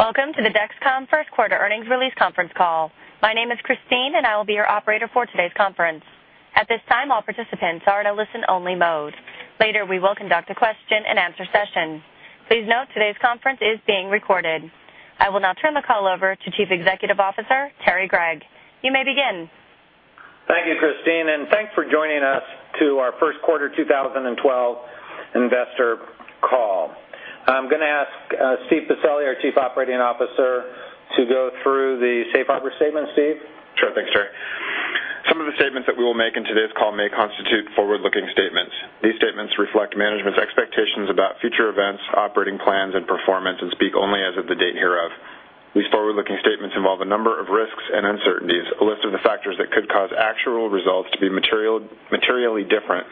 Welcome to the Dexcom first quarter earnings release conference call. My name is Christine, and I will be your operator for today's conference. At this time, all participants are in a listen-only mode. Later, we will conduct a question-and-answer session. Please note today's conference is being recorded. I will now turn the call over to Chief Executive Officer, Terry Gregg. You may begin. Thank you, Christine, and thanks for joining us to our first quarter 2012 investor call. I'm gonna ask, Steven Pacelli, our Chief Operating Officer, to go through the safe harbor statement. Steve? Sure thing, Terry. Some of the statements that we will make in today's call may constitute forward-looking statements. These statements reflect management's expectations about future events, operating plans, and performance and speak only as of the date hereof. These forward-looking statements involve a number of risks and uncertainties. A list of the factors that could cause actual results to be materially different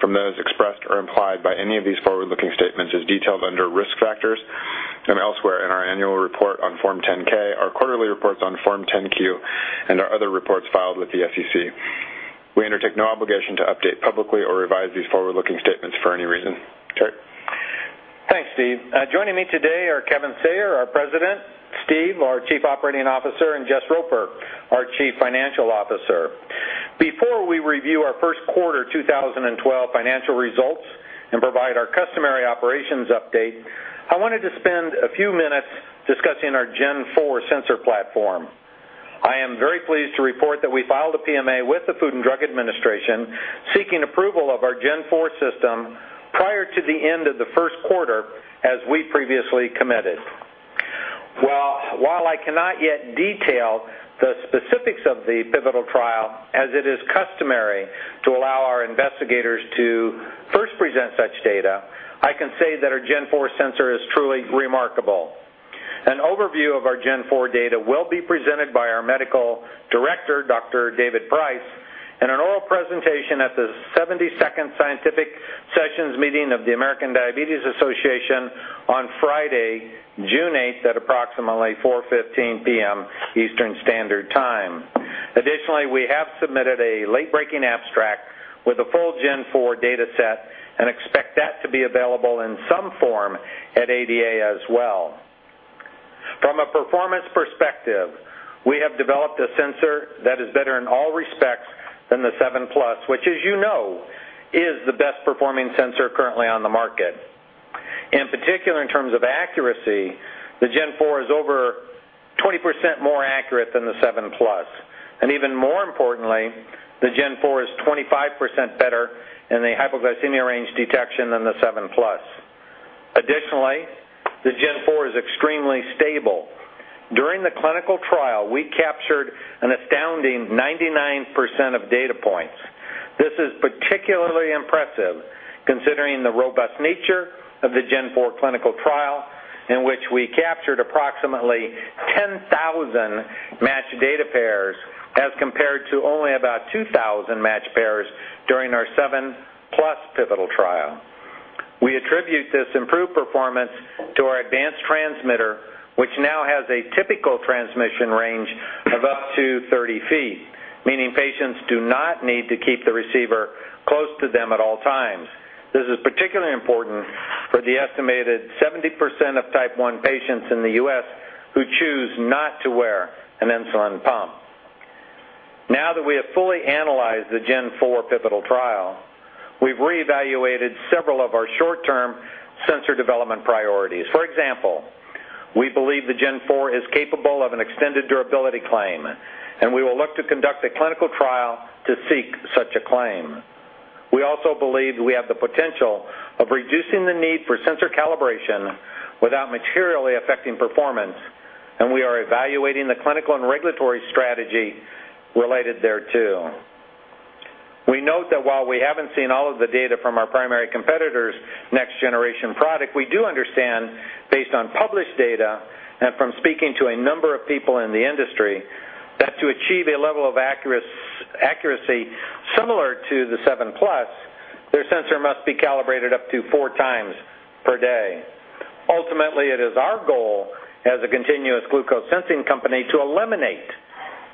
from those expressed or implied by any of these forward-looking statements is detailed under Risk Factors and elsewhere in our annual report on Form 10-K, our quarterly reports on Form 10-Q, and our other reports filed with the SEC. We undertake no obligation to update publicly or revise these forward-looking statements for any reason. Terry? Thanks, Steve. Joining me today are Kevin Sayer, our President, Steve Pacelli, our Chief Operating Officer, and Jess Roper, our Chief Financial Officer. Before we review our first quarter 2012 financial results and provide our customary operations update, I wanted to spend a few minutes discussing our Gen 4 sensor platform. I am very pleased to report that we filed a PMA with the Food and Drug Administration seeking approval of our Gen 4 system prior to the end of the first quarter as we previously committed. Well, while I cannot yet detail the specifics of the pivotal trial, as it is customary to allow our investigators to first present such data, I can say that our Gen 4 sensor is truly remarkable. An overview of our Gen 4 data will be presented by our medical director, Dr. David Price, in an oral presentation at the 72nd Scientific Sessions meeting of the American Diabetes Association on Friday, June 8, at approximately 4:15 P.M. Eastern Standard Time. Additionally, we have submitted a late-breaking abstract with a full Gen 4 data set and expect that to be available in some form at ADA as well. From a performance perspective, we have developed a sensor that is better in all respects than the SEVEN PLUS, which, as you know, is the best-performing sensor currently on the market. In particular, in terms of accuracy, the Gen 4 is over 20% more accurate than the SEVEN PLUS, and even more importantly, the Gen 4 is 25% better in the hypoglycemia range detection than the SEVEN PLUS. Additionally, the Gen 4 is extremely stable. During the clinical trial, we captured an astounding 99% of data points. This is particularly impressive considering the robust nature of the Gen 4 clinical trial, in which we captured approximately 10,000 matched data pairs as compared to only about 2,000 matched pairs during our SEVEN PLUS pivotal trial. We attribute this improved performance to our advanced transmitter, which now has a typical transmission range of up to 30 feet, meaning patients do not need to keep the receiver close to them at all times. This is particularly important for the estimated 70% of Type 1 patients in the U.S. who choose not to wear an insulin pump. Now that we have fully analyzed the Gen 4 pivotal trial, we've reevaluated several of our short-term sensor development priorities. For example, we believe the Gen 4 is capable of an extended durability claim, and we will look to conduct a clinical trial to seek such a claim. We also believe we have the potential of reducing the need for sensor calibration without materially affecting performance, and we are evaluating the clinical and regulatory strategy related thereto. We note that while we haven't seen all of the data from our primary competitor's next-generation product, we do understand based on published data and from speaking to a number of people in the industry that to achieve a level of accuracy similar to the SEVEN PLUS, their sensor must be calibrated up to 4x per day. Ultimately, it is our goal as a continuous glucose sensing company to eliminate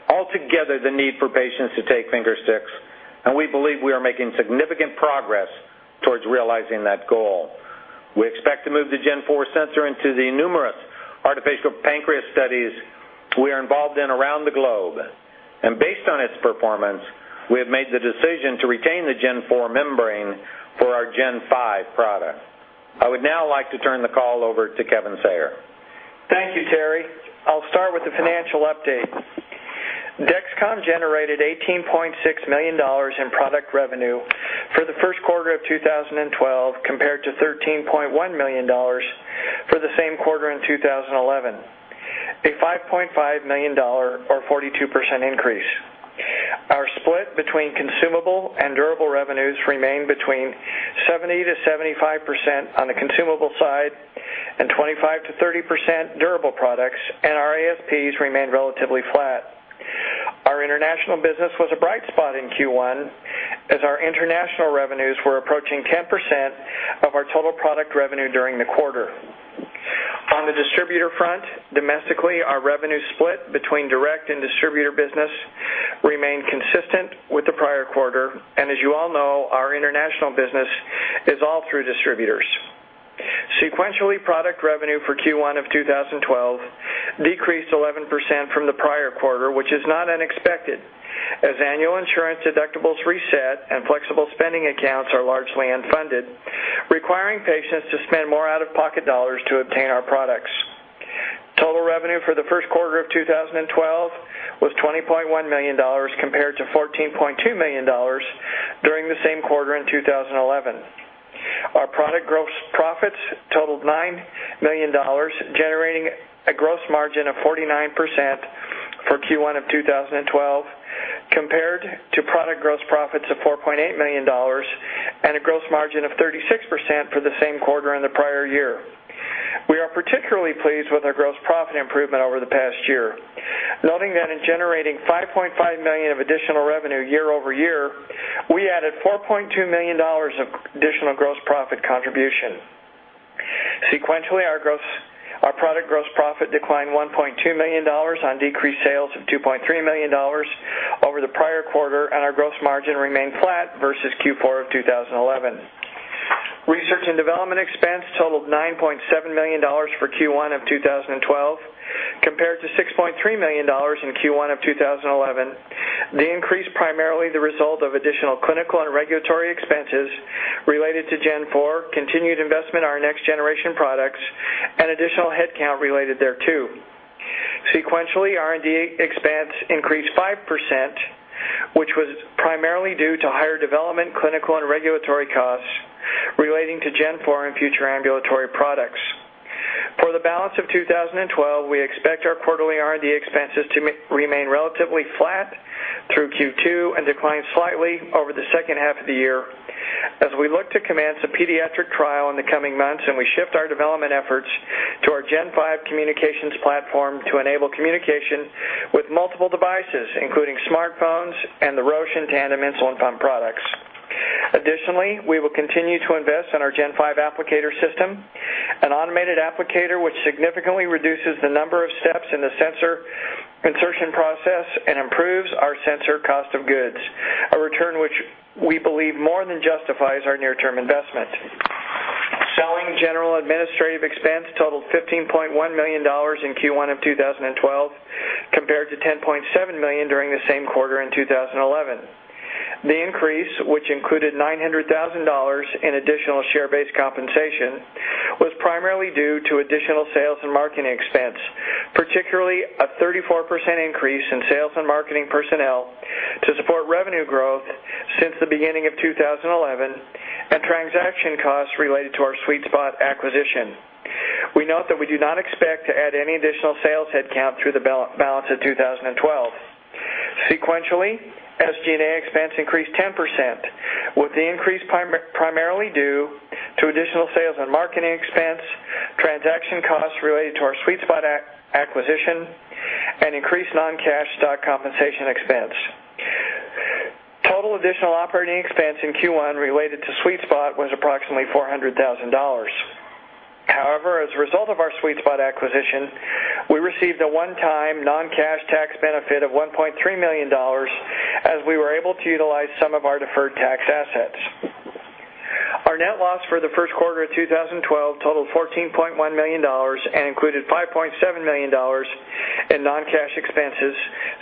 altogether the need for patients to take finger sticks, and we believe we are making significant progress towards realizing that goal. We expect to move the Gen 4 sensor into the numerous artificial pancreas studies we are involved in around the globe. Based on its performance, we have made the decision to retain the Gen 4 membrane for our Gen 5 product. I would now like to turn the call over to Kevin Sayer. Thank you, Terry. I'll start with the financial update. Dexcom generated $18.6 million in product revenue for the first quarter of 2012 compared to $13.1 million for the same quarter in 2011, a $5.5 million or 42% increase. Our split between consumable and durable revenues remained between 70%-75% on the consumable side and 25%-30% durable products, and our ASPs remained relatively flat. Our international business was a bright spot in Q1, as our international revenues were approaching 10% of our total product revenue during the quarter. On the distributor front, domestically, our revenue split between direct and distributor business remained consistent with the prior quarter, and as you all know, our international business is all through distributors. Sequentially, product revenue for Q1 of 2012 decreased 11% from the prior quarter, which is not unexpected, as annual insurance deductibles reset and flexible spending accounts are largely unfunded, requiring patients to spend more out-of-pocket dollars to obtain our products. Total revenue for the first quarter of 2012 was $20.1 million compared to $14.2 million during the same quarter in 2011. Our product gross profits totaled $9 million, generating a gross margin of 49% for Q1 of 2012 compared to product gross profits of $4.8 million and a gross margin of 36% for the same quarter in the prior year. We are particularly pleased with our gross profit improvement over the past year, noting that in generating $5.5 million of additional revenue year-over-year, we added $4.2 million of additional gross profit contribution. Sequentially, our product gross profit declined $1.2 million on decreased sales of $2.3 million over the prior quarter, and our gross margin remained flat versus Q4 of 2011. Research and development expense totaled $9.7 million for Q1 of 2012 compared to $6.3 million in Q1 of 2011. The increase primarily the result of additional clinical and regulatory expenses related to Gen 4, continued investment in our next-generation products, and additional headcount related thereto. Sequentially, R&D expense increased 5%, which was primarily due to higher development, clinical, and regulatory costs relating to Gen 4 and future ambulatory products. For the balance of 2012, we expect our quarterly R&D expenses to remain relatively flat through Q2 and decline slightly over the second half of the year as we look to commence a pediatric trial in the coming months, and we shift our development efforts to our Gen 5 communications platform to enable communication with multiple devices, including smartphones and the Roche and Tandem insulin pump products. Additionally, we will continue to invest in our Gen 5 applicator system, an automated applicator which significantly reduces the number of steps in the sensor insertion process and improves our sensor cost of goods, a return which we believe more than justifies our near-term investment. Selling, general, administrative expense totaled $15.1 million in Q1 of 2012 compared to $10.7 million during the same quarter in 2011. The increase, which included $900,000 in additional share-based compensation, was primarily due to additional sales and marketing expense, particularly a 34% increase in sales and marketing personnel to support revenue growth since the beginning of 2011 and transaction costs related to our SweetSpot acquisition. We note that we do not expect to add any additional sales headcount through the balance of 2012. Sequentially, SG&A expense increased 10%, with the increase primarily due to additional sales and marketing expense, transaction costs related to our SweetSpot acquisition, and increased non-cash stock compensation expense. Total additional operating expense in Q1 related to SweetSpot was approximately $400,000. However, as a result of our SweetSpot acquisition, we received a one-time non-cash tax benefit of $1.3 million as we were able to utilize some of our deferred tax assets. Our net loss for the first quarter of 2012 totaled $14.1 million and included $5.7 million in non-cash expenses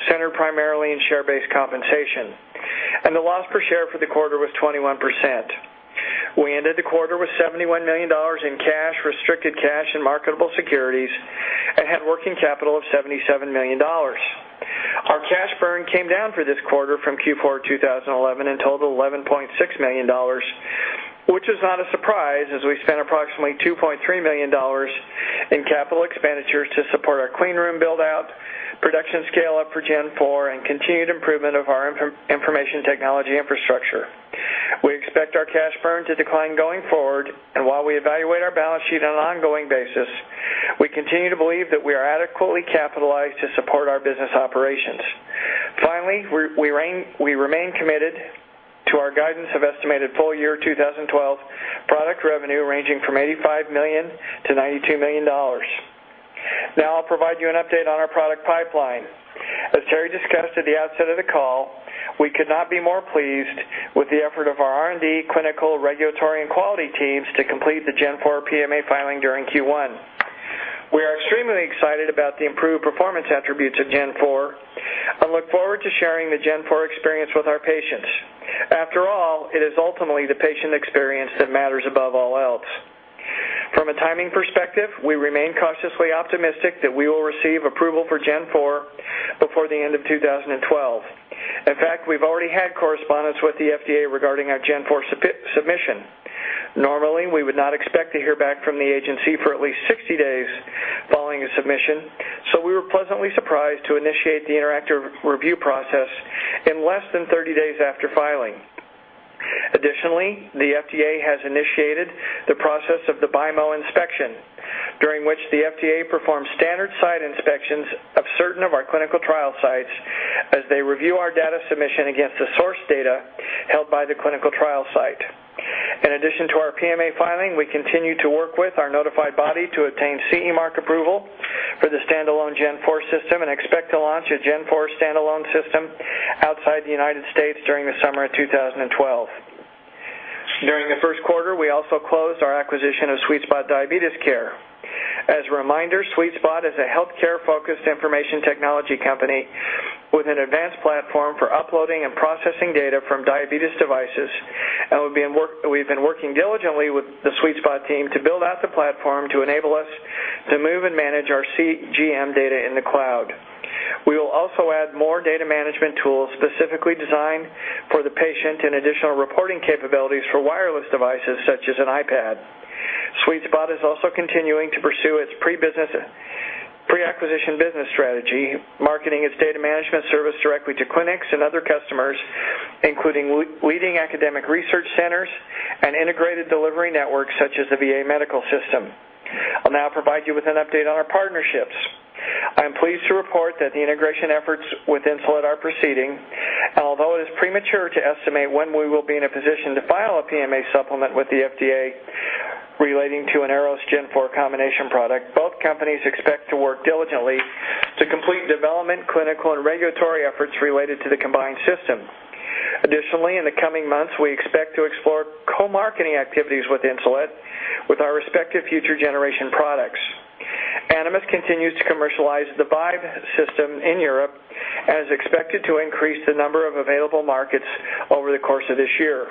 centered primarily in share-based compensation, and the loss per share for the quarter was 21%. We ended the quarter with $71 million in cash, restricted cash, and marketable securities and had working capital of $77 million. Our cash burn came down for this quarter from Q4 2011 and totaled $11.6 million, which is not a surprise as we spent approximately $2.3 million in capital expenditures to support our clean room build-out, production scale-up for Gen 4, and continued improvement of our information technology infrastructure. We expect our cash burn to decline going forward, and while we evaluate our balance sheet on an ongoing basis, we continue to believe that we are adequately capitalized to support our business operations. Finally, we remain committed to our guidance of estimated full-year 2012 product revenue ranging from $85 million-$92 million. Now I'll provide you an update on our product pipeline. As Terry discussed at the outset of the call, we could not be more pleased with the effort of our R&D, clinical, regulatory, and quality teams to complete the Gen 4 PMA filing during Q1. We are extremely excited about the improved performance attributes of Gen 4 and look forward to sharing the Gen 4 experience with our patients. After all, it is ultimately the patient experience that matters above all else. From a timing perspective, we remain cautiously optimistic that we will receive approval for Gen 4 before the end of 2012. In fact, we've already had correspondence with the FDA regarding our Gen 4 submission. Normally, we would not expect to hear back from the agency for at least 60 days following a submission, so we were pleasantly surprised to initiate the interactive review process in less than 30 days after filing. Additionally, the FDA has initiated the process of the BIMO inspection, during which the FDA performs standard site inspections of certain of our clinical trial sites as they review our data submission against the source data held by the clinical trial site. In addition to our PMA filing, we continue to work with our notified body to obtain CE mark approval for the standalone Gen 4 system and expect to launch a Gen 4 standalone system outside the United States during the summer of 2012. During the first quarter, we also closed our acquisition of SweetSpot Diabetes Care. As a reminder, SweetSpot is a healthcare-focused information technology company with an advanced platform for uploading and processing data from diabetes devices, and we've been working diligently with the SweetSpot team to build out the platform to enable us to move and manage our CGM data in the cloud. We will also add more data management tools specifically designed for the patient and additional reporting capabilities for wireless devices such as an iPad. SweetSpot is also continuing to pursue its pre-acquisition business strategy, marketing its data management service directly to clinics and other customers, including leading academic research centers and integrated delivery networks such as the VA Medical System. I'll now provide you with an update on our partnerships. I am pleased to report that the integration efforts with Insulet are proceeding, and although it is premature to estimate when we will be in a position to file a PMA supplement with the FDA relating to a Dexcom Gen 4 combination product, both companies expect to work diligently to complete development, clinical, and regulatory efforts related to the combined system. Additionally, in the coming months, we expect to explore co-marketing activities with Insulet with our respective future generation products. Animas continues to commercialize the Vibe system in Europe and is expected to increase the number of available markets over the course of this year.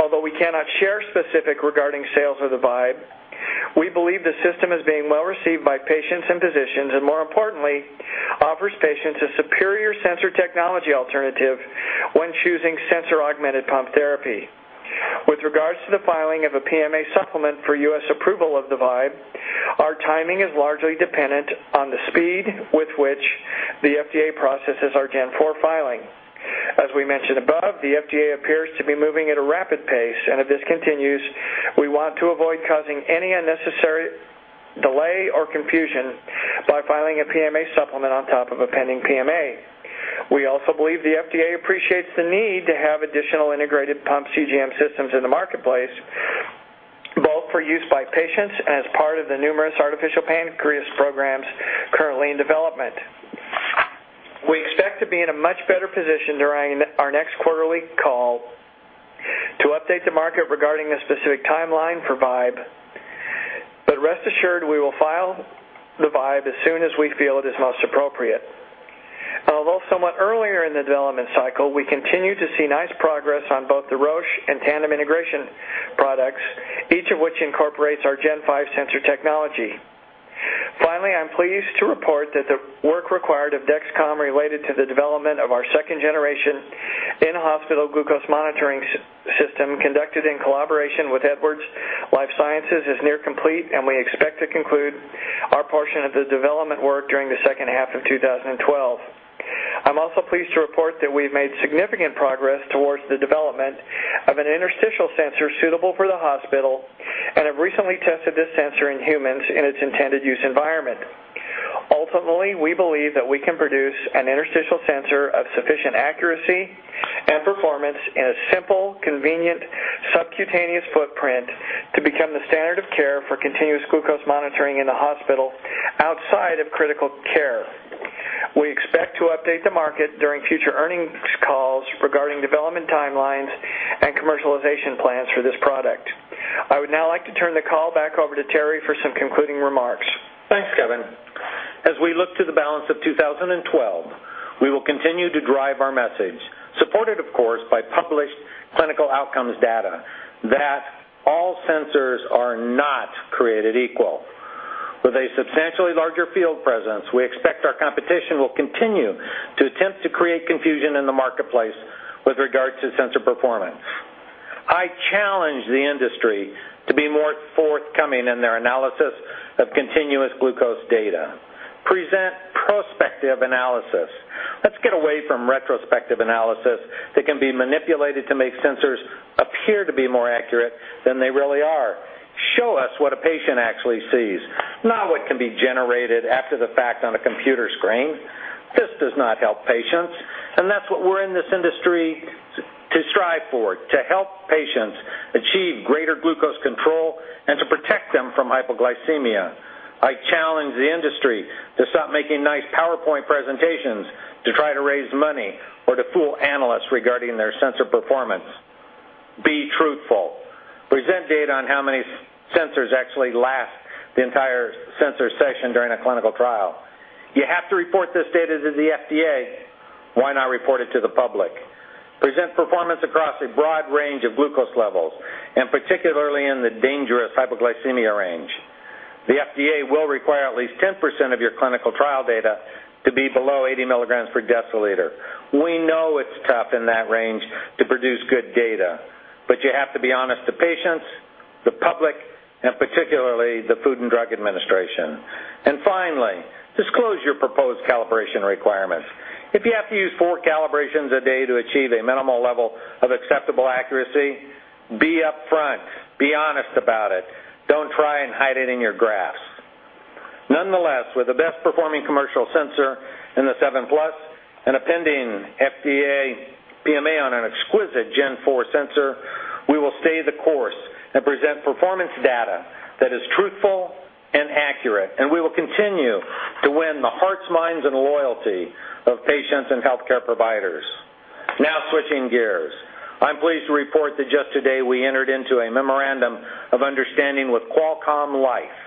Although we cannot share specifics regarding sales of the Vibe, we believe the system is being well-received by patients and physicians, and more importantly, offers patients a superior sensor technology alternative when choosing sensor-augmented pump therapy. With regards to the filing of a PMA supplement for U.S. approval of the Vibe, our timing is largely dependent on the speed with which the FDA processes our Gen 4 filing. As we mentioned above, the FDA appears to be moving at a rapid pace, and if this continues, we want to avoid causing any unnecessary delay or confusion by filing a PMA supplement on top of a pending PMA. We also believe the FDA appreciates the need to have additional integrated pump CGM systems in the marketplace, both for use by patients and as part of the numerous artificial pancreas programs currently in development. We expect to be in a much better position during our next quarterly call to update the market regarding a specific timeline for Vibe. Rest assured, we will file the Vibe as soon as we feel it is most appropriate. Although somewhat earlier in the development cycle, we continue to see nice progress on both the Roche and Tandem integration products, each of which incorporates our Gen 5 sensor technology. Finally, I'm pleased to report that the work required of Dexcom related to the development of our second generation in-hospital glucose monitoring system conducted in collaboration with Edwards Lifesciences is near complete, and we expect to conclude our portion of the development work during the second half of 2012. I'm also pleased to report that we've made significant progress towards the development of an interstitial sensor suitable for the hospital and have recently tested this sensor in humans in its intended use environment. Ultimately, we believe that we can produce an interstitial sensor of sufficient accuracy and performance in a simple, convenient subcutaneous footprint to become the standard of care for continuous glucose monitoring in the hospital outside of critical care. We expect to update the market during future earnings calls regarding development timelines and commercialization plans for this product. I would now like to turn the call back over to Terry for some concluding remarks. Thanks, Kevin. As we look to the balance of 2012, we will continue to drive our message, supported of course by published clinical outcomes data, that all sensors are not created equal. With a substantially larger field presence, we expect our competition will continue to attempt to create confusion in the marketplace with regards to sensor performance. I challenge the industry to be more forthcoming in their analysis of continuous glucose data. Present prospective analysis. Let's get away from retrospective analysis that can be manipulated to make sensors appear to be more accurate than they really are. Show us what a patient actually sees, not what can be generated after the fact on a computer screen. This does not help patients. That's what we're in this industry to strive for, to help patients achieve greater glucose control and to protect them from hypoglycemia. I challenge the industry to stop making nice PowerPoint presentations to try to raise money or to fool analysts regarding their sensor performance. Be truthful. Present data on how many sensors actually last the entire sensor session during a clinical trial. You have to report this data to the FDA. Why not report it to the public? Present performance across a broad range of glucose levels, and particularly in the dangerous hypoglycemia range. The FDA will require at least 10% of your clinical trial data to be below 80 milligrams per deciliter. We know it's tough in that range to produce good data, but you have to be honest to patients, the public, and particularly the Food and Drug Administration. Finally, disclose your proposed calibration requirements. If you have to use four calibrations a day to achieve a minimal level of acceptable accuracy, be upfront. Be honest about it. Don't try and hide it in your graphs. Nonetheless, with the best-performing commercial sensor in the SEVEN PLUS—and a pending FDA PMA on an exquisite Gen 4 sensor, we will stay the course and present performance data that is truthful and accurate, and we will continue to win the hearts, minds and loyalty of patients and healthcare providers. Now, switching gears. I'm pleased to report that just today we entered into a memorandum of understanding with Qualcomm Life,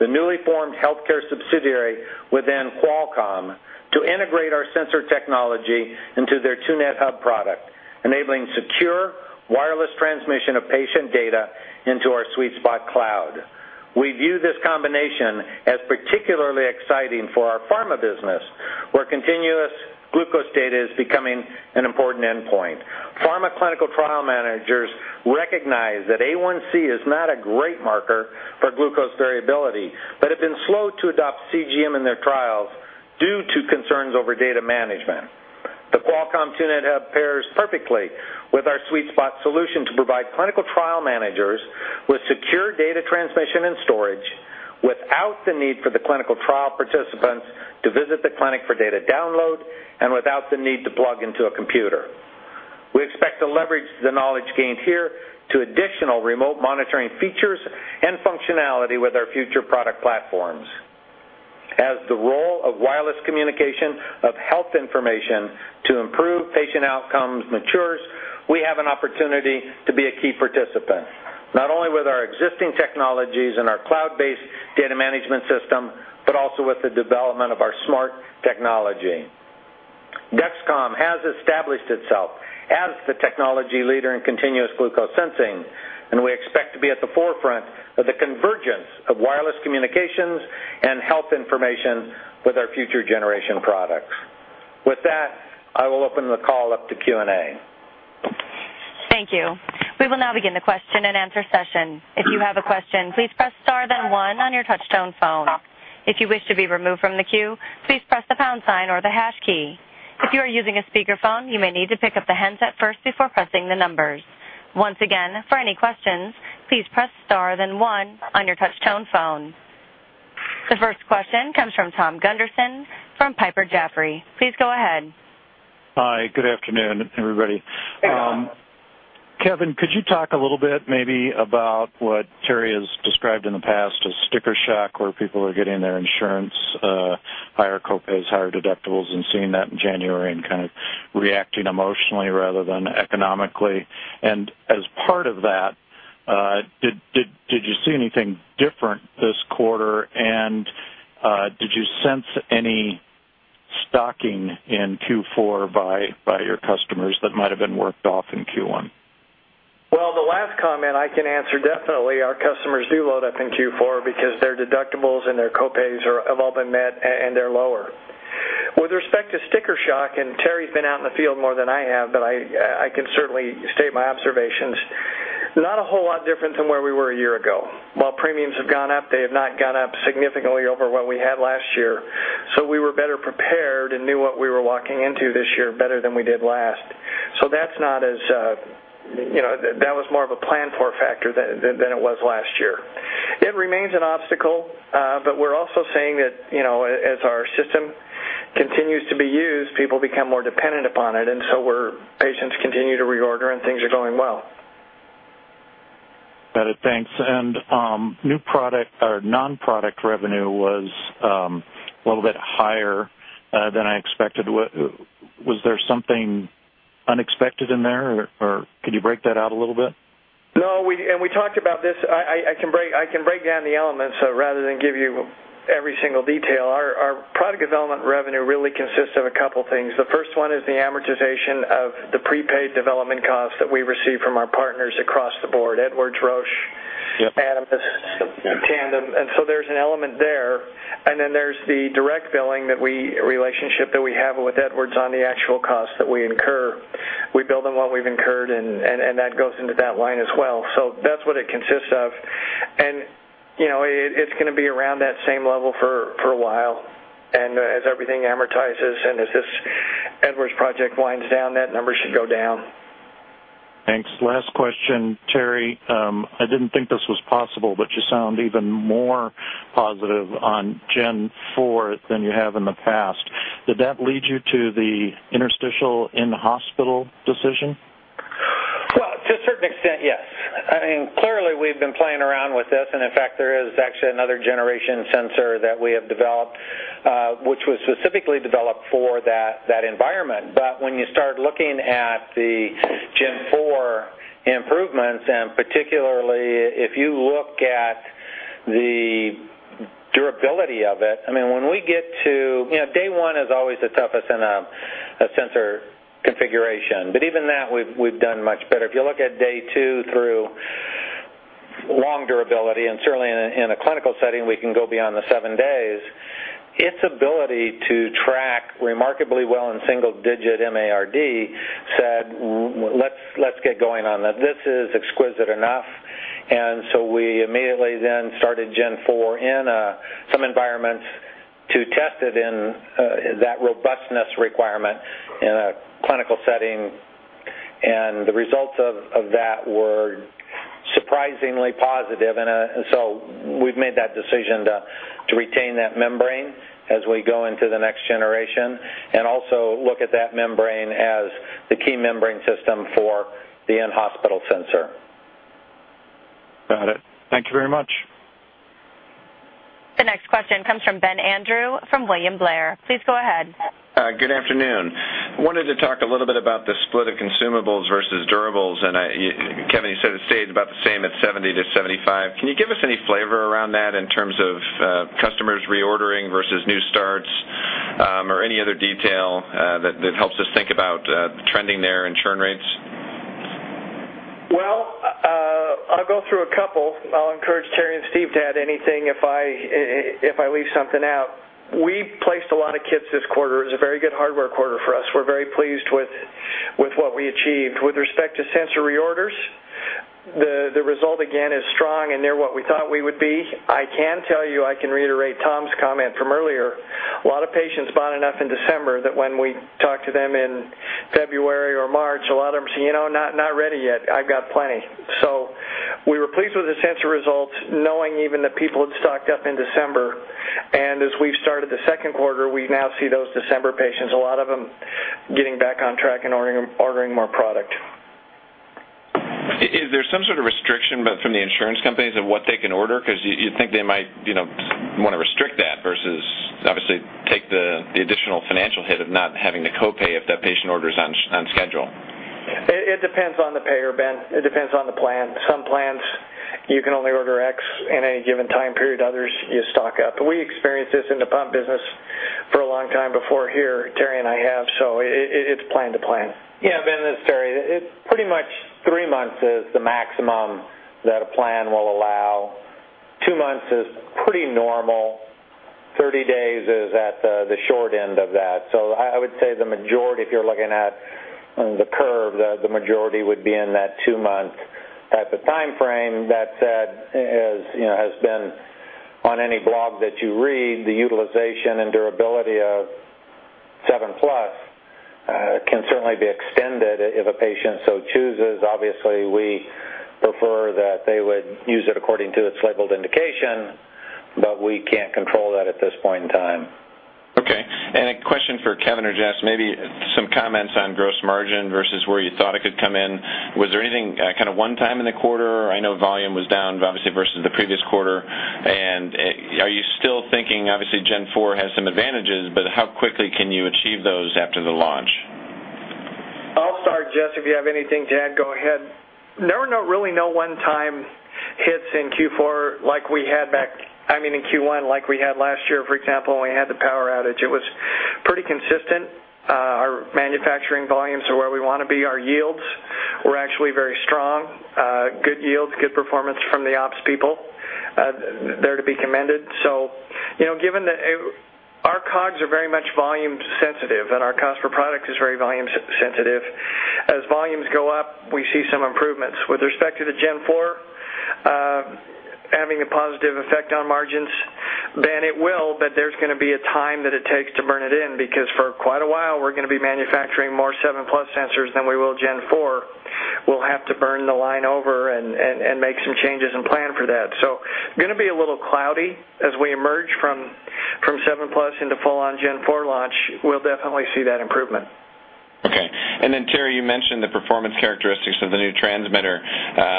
the newly formed healthcare subsidiary within Qualcomm, to integrate our sensor technology into their 2net Hub product, enabling secure wireless transmission of patient data into our SweetSpot cloud. We view this combination as particularly exciting for our pharma business, where continuous glucose data is becoming an important endpoint. Pharma clinical trial managers recognize that A1C is not a great marker for glucose variability, but have been slow to adopt CGM in their trials due to concerns over data management. The Qualcomm 2net Hub pairs perfectly with our SweetSpot solution to provide clinical trial managers with secure data transmission and storage without the need for the clinical trial participants to visit the clinic for data download and without the need to plug into a computer. We expect to leverage the knowledge gained here to additional remote monitoring features and functionality with our future product platforms. As the role of wireless communication of health information to improve patient outcomes matures, we have an opportunity to be a key participant, not only with our existing technologies and our cloud-based data management system, but also with the development of our smart technology. Dexcom has established itself as the technology leader in continuous glucose sensing, and we expect to be at the forefront of the convergence of wireless communications and health information with our future generation products. With that, I will open the call up to Q&A. Thank you. We will now begin the question-and-answer session. If you have a question, please press star then one on your touchtone phone. If you wish to be removed from the queue, please press the pound sign or the hash key. If you are using a speakerphone, you may need to pick up the handset first before pressing the numbers. Once again, for any questions, please press star then one on your touchtone phone. The first question comes from Tom Gunderson from Piper Jaffray. Please go ahead. Hi. Good afternoon, everybody. Kevin, could you talk a little bit maybe about what Terry has described in the past as sticker shock, where people are getting their insurance, higher co-pays, higher deductibles and seeing that in January and kind of reacting emotionally rather than economically? As part of that, did you see anything different this quarter? Did you sense any stocking in Q4 by your customers that might have been worked off in Q1? Well, the last comment I can answer definitely. Our customers do load up in Q4 because their deductibles and their co-pays are, have all been met and they're lower. With respect to sticker shock, and Terry's been out in the field more than I have, but I can certainly state my observations, not a whole lot different than where we were a year ago. While premiums have gone up, they have not gone up significantly over what we had last year, so we were better prepared and knew what we were walking into this year better than we did last. That's not as, you know, that was more of a planned-for factor than it was last year. It remains an obstacle, but we're also seeing that, you know, as our system continues to be used, people become more dependent upon it, and so patients continue to reorder and things are going well. Got it. Thanks. New product or non-product revenue was a little bit higher than I expected. Was there something unexpected in there or could you break that out a little bit? No, we talked about this. I can break down the elements rather than give you every single detail. Our product development revenue really consists of a couple things. The first one is the amortization of the prepaid development costs that we receive from our partners across the board, Edwards, Roche. Yep. Animas, Tandem. There's an element there. Then there's the direct billing relationship that we have with Edwards on the actual cost that we incur. We bill them what we've incurred, and that goes into that line as well. That's what it consists of. You know, it's gonna be around that same level for a while. As everything amortizes and as this Edwards project winds down, that number should go down. Thanks. Last question. Terry, I didn't think this was possible, but you sound even more positive on Dexcom Gen 4 than you have in the past. Did that lead you to the interstitial in-hospital decision? Well, to a certain extent, yes. I mean, clearly, we've been playing around with this. In fact, there is actually another generation sensor that we have developed, which was specifically developed for that environment. When you start looking at the Dexcom Gen 4 improvements, and particularly if you look at the durability of it, I mean, when we get to day one is always the toughest in a sensor configuration, but even that, we've done much better. If you look at day two through long durability, and certainly in a clinical setting, we can go beyond the seven days. Its ability to track remarkably well in single-digit MARD. So, let's get going on that. This is exquisite enough." We immediately then started Dexcom Gen 4 in some environments to test it in that robustness requirement in a clinical setting. The results of that were surprisingly positive. We've made that decision to retain that membrane as we go into the next generation and also look at that membrane as the key membrane system for the in-hospital sensor. Got it. Thank you very much. The next question comes from Ben Andrew from William Blair. Please go ahead. Good afternoon. I wanted to talk a little bit about the split of consumables versus durables, and Kevin, you said it stayed about the same at 70%-75%. Can you give us any flavor around that in terms of customers reordering versus new starts, or any other detail that helps us think about trending there and churn rates? Well, I'll go through a couple. I'll encourage Terry and Steve to add anything if I leave something out. We placed a lot of kits this quarter. It was a very good hardware quarter for us. We're very pleased with what we achieved. With respect to sensor reorders, the result again is strong and near what we thought we would be. I can tell you, I can reiterate Tom's comment from earlier. A lot of patients bought enough in December that when we talked to them in February or March, a lot of them say, "You know, not ready yet. I've got plenty." We were pleased with the sensor results, knowing even that people had stocked up in December. As we've started the second quarter, we now see those December patients, a lot of them getting back on track and ordering more product. Is there some sort of restriction but from the insurance companies of what they can order? Because you think they might, you know, wanna restrict that versus obviously take the additional financial hit of not having the copay if that patient orders on schedule. It depends on the payer, Ben. It depends on the plan. Some plans, you can only order X in any given time period, others you stock up. We experienced this in the pump business for a long time before here, Terry and I have, so it's plan to plan. Yeah, Ben, this is Terry. It's pretty much three months is the maximum that a plan will allow. Two months is pretty normal. 30 days is at the short end of that. I would say the majority, if you're looking at the curve, the majority would be in that two-month timeframe. That said, as you know, has been on any blog that you read, the utilization and durability of SEVEN PLUS can certainly be extended if a patient so chooses. Obviously, we prefer that they would use it according to its labeled indication, but we can't control that at this point in time. Okay. A question for Kevin or Jess, maybe some comments on gross margin versus where you thought it could come in. Was there anything, kind of one time in the quarter? I know volume was down obviously versus the previous quarter. Are you still thinking obviously Gen 4 has some advantages, but how quickly can you achieve those after the launch? I'll start. Jess, if you have anything to add, go ahead. There were really no one-time hits in Q4 like we had back, I mean, in Q1, like we had last year, for example, when we had the power outage. It was pretty consistent. Our manufacturing volumes are where we wanna be. Our yields were actually very strong. Good yields, good performance from the ops people, they're to be commended. You know, given that our COGS are very much volume sensitive and our cost per product is very volume sensitive. As volumes go up, we see some improvements. With respect to the Gen 4 having a positive effect on margins, then it will, but there's gonna be a time that it takes to burn it in, because for quite a while, we're gonna be manufacturing more SEVEN PLUS sensors than we will Gen 4. We'll have to turn the line over and make some changes and plan for that. Gonna be a little cloudy as we emerge from SEVEN PLUS into full-on Gen 4 launch. We'll definitely see that improvement. Okay. Terry, you mentioned the performance characteristics of the new transmitter.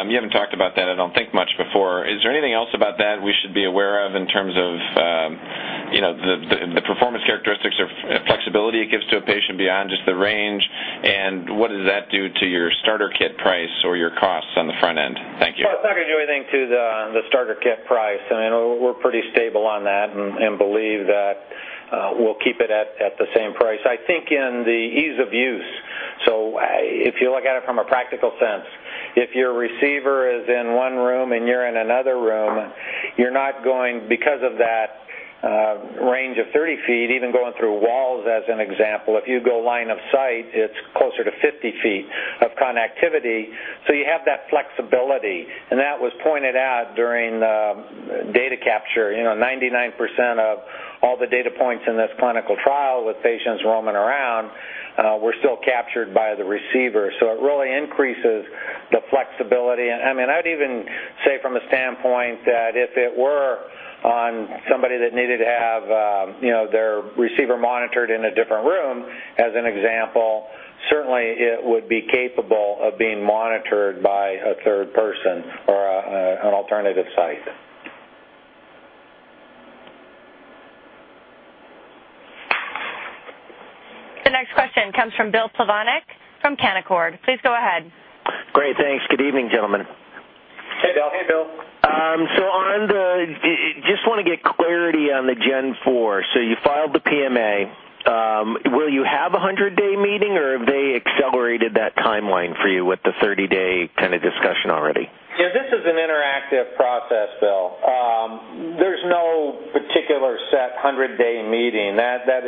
You haven't talked about that, I don't think much before. Is there anything else about that we should be aware of in terms of, you know, the performance characteristics or flexibility it gives to a patient beyond just the range? What does that do to your starter kit price or your costs on the front end? Thank you. Well, it's not gonna do anything to the starter kit price. I mean, we're pretty stable on that and believe that we'll keep it at the same price. I think in the ease of use, so if you look at it from a practical sense, if your receiver is in one room and you're in another room, you're not going because of that range of 30 feet, even going through walls as an example. If you go line of sight, it's closer to 50 feet of connectivity. You have that flexibility. That was pointed out during the data capture. You know, 99% of all the data points in this clinical trial with patients roaming around were still captured by the receiver. It really increases the flexibility. I mean, I'd even say from a standpoint that if it were on somebody that needed to have, you know, their receiver monitored in a different room as an example, certainly it would be capable of being monitored by a third person or, an alternative site. The next question comes from Bill Plovanic from Canaccord. Please go ahead. Great. Thanks. Good evening, gentlemen. Hey, Bill. Hey, Bill. Just wanna get clarity on the Gen 4. You filed the PMA. Will you have a 100-day meeting, or have they accelerated that timeline for you with the 30-day kind of discussion already? Yeah, this is an interactive process, Bill. There's no particular set 100-day meeting. That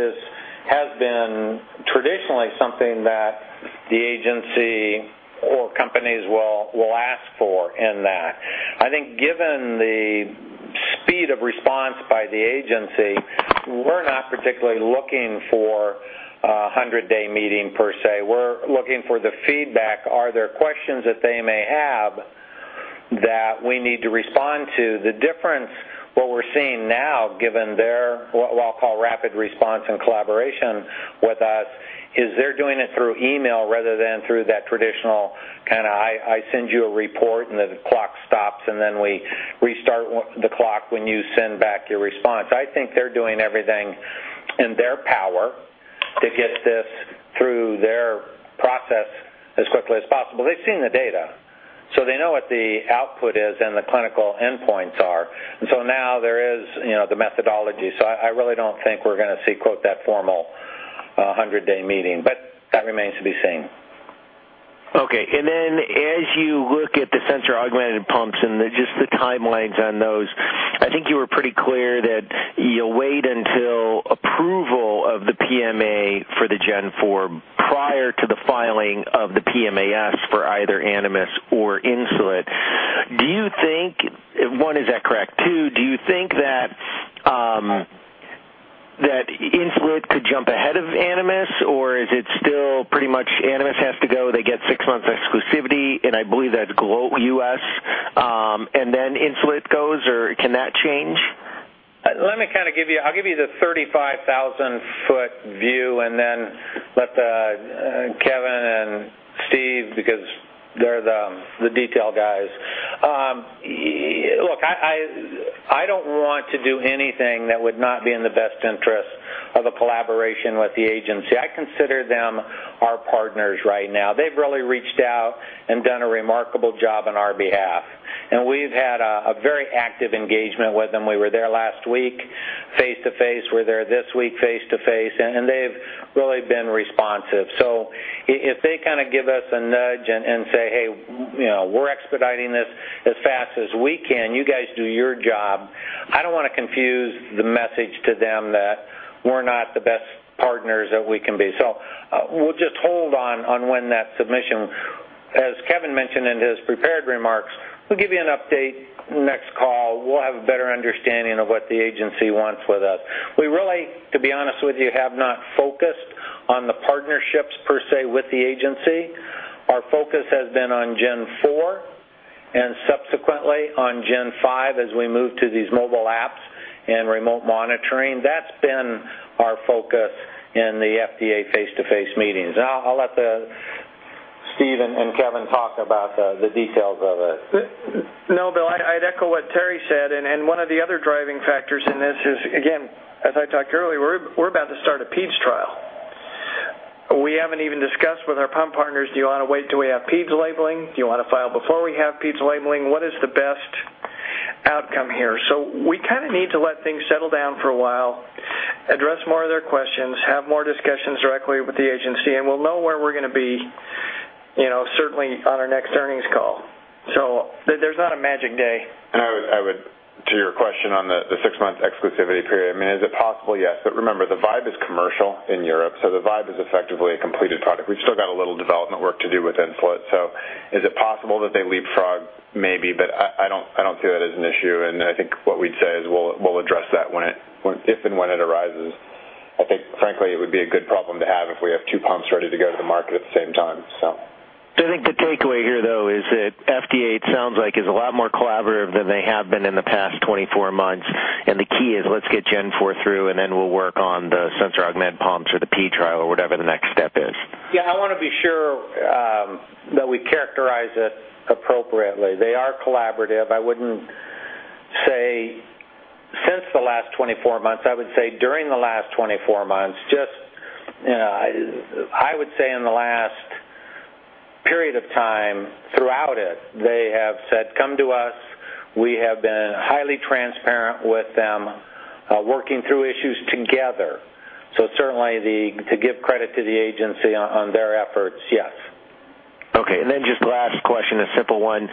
has been traditionally something that the agency or companies will ask for in that. I think given the speed of response by the agency. We're not particularly looking for a 100-day meeting per se. We're looking for the feedback. Are there questions that they may have that we need to respond to? The difference, what we're seeing now, given their, what I'll call rapid response and collaboration with us, is they're doing it through email rather than through that traditional kind of, I send you a report, and the clock stops, and then we restart the clock when you send back your response. I think they're doing everything in their power to get this through their process as quickly as possible. They've seen the data, so they know what the output is and the clinical endpoints are. Now there is, you know, the methodology. I really don't think we're gonna see, quote, "that formal 100-day meeting," but that remains to be seen. Okay. As you look at the sensor augmented pumps and the timelines on those, I think you were pretty clear that you'll wait until approval of the PMA for the Gen 4 prior to the filing of the PMAs for either Animas or Insulet. Do you think, one, is that correct? Two, do you think that Insulet could jump ahead of Animas, or is it still pretty much Animas has to go, they get six months exclusivity, and I believe that's global, U.S., and then Insulet goes, or can that change? Let me kind of give you. I'll give you the 35,000-foot view and then let Kevin and Steve, because they're the detail guys. Look, I don't want to do anything that would not be in the best interest of a collaboration with the agency. I consider them our partners right now. They've really reached out and done a remarkable job on our behalf. We've had a very active engagement with them. We were there last week face to face. We're there this week face to face, and they've really been responsive. If they kind of give us a nudge and say, "Hey, you know, we're expediting this as fast as we can. You guys do your job." I don't wanna confuse the message to them that we're not the best partners that we can be. We'll just hold off on when that submission, as Kevin mentioned in his prepared remarks, we'll give you an update next call. We'll have a better understanding of what the agency wants with us. We really, to be honest with you, have not focused on the partnerships per se with the agency. Our focus has been on Gen 4 and subsequently on Gen 5 as we move to these mobile apps and remote monitoring. That's been our focus in the FDA face to face meetings. I'll let Steve and Kevin talk about the details of it. No, Bill, I'd echo what Terry said, and one of the other driving factors in this is, again, as I talked earlier, we're about to start a peds trial. We haven't even discussed with our pump partners, do you wanna wait till we have peds labeling? Do you wanna file before we have peds labeling? What is the best outcome here? We kind of need to let things settle down for a while, address more of their questions, have more discussions directly with the agency, and we'll know where we're gonna be, you know, certainly on our next earnings call. There's not a magic day. To your question on the six months exclusivity period, I mean, is it possible? Yes. Remember, the Vibe is commercial in Europe, so the Vibe is effectively a completed product. We've still got a little development work to do with Insulet. Is it possible that they leapfrog? Maybe, but I don't see that as an issue, and I think what we'd say is, we'll address that if and when it arises. I think frankly it would be a good problem to have if we have two pumps ready to go to the market at the same time. I think the takeaway here though is that FDA, it sounds like, is a lot more collaborative than they have been in the past 24 months, and the key is let's get Gen 4 through, and then we'll work on the sensor-augmented pumps or the pivotal trial or whatever the next step is. Yeah, I wanna be sure that we characterize it appropriately. They are collaborative. I wouldn't say since the last 24 months, I would say during the last 24 months, just, you know, I would say in the last period of time throughout it, they have said, "Come to us." We have been highly transparent with them, working through issues together. Certainly, to give credit to the agency on their efforts, yes. Okay. Just last question, a simple one.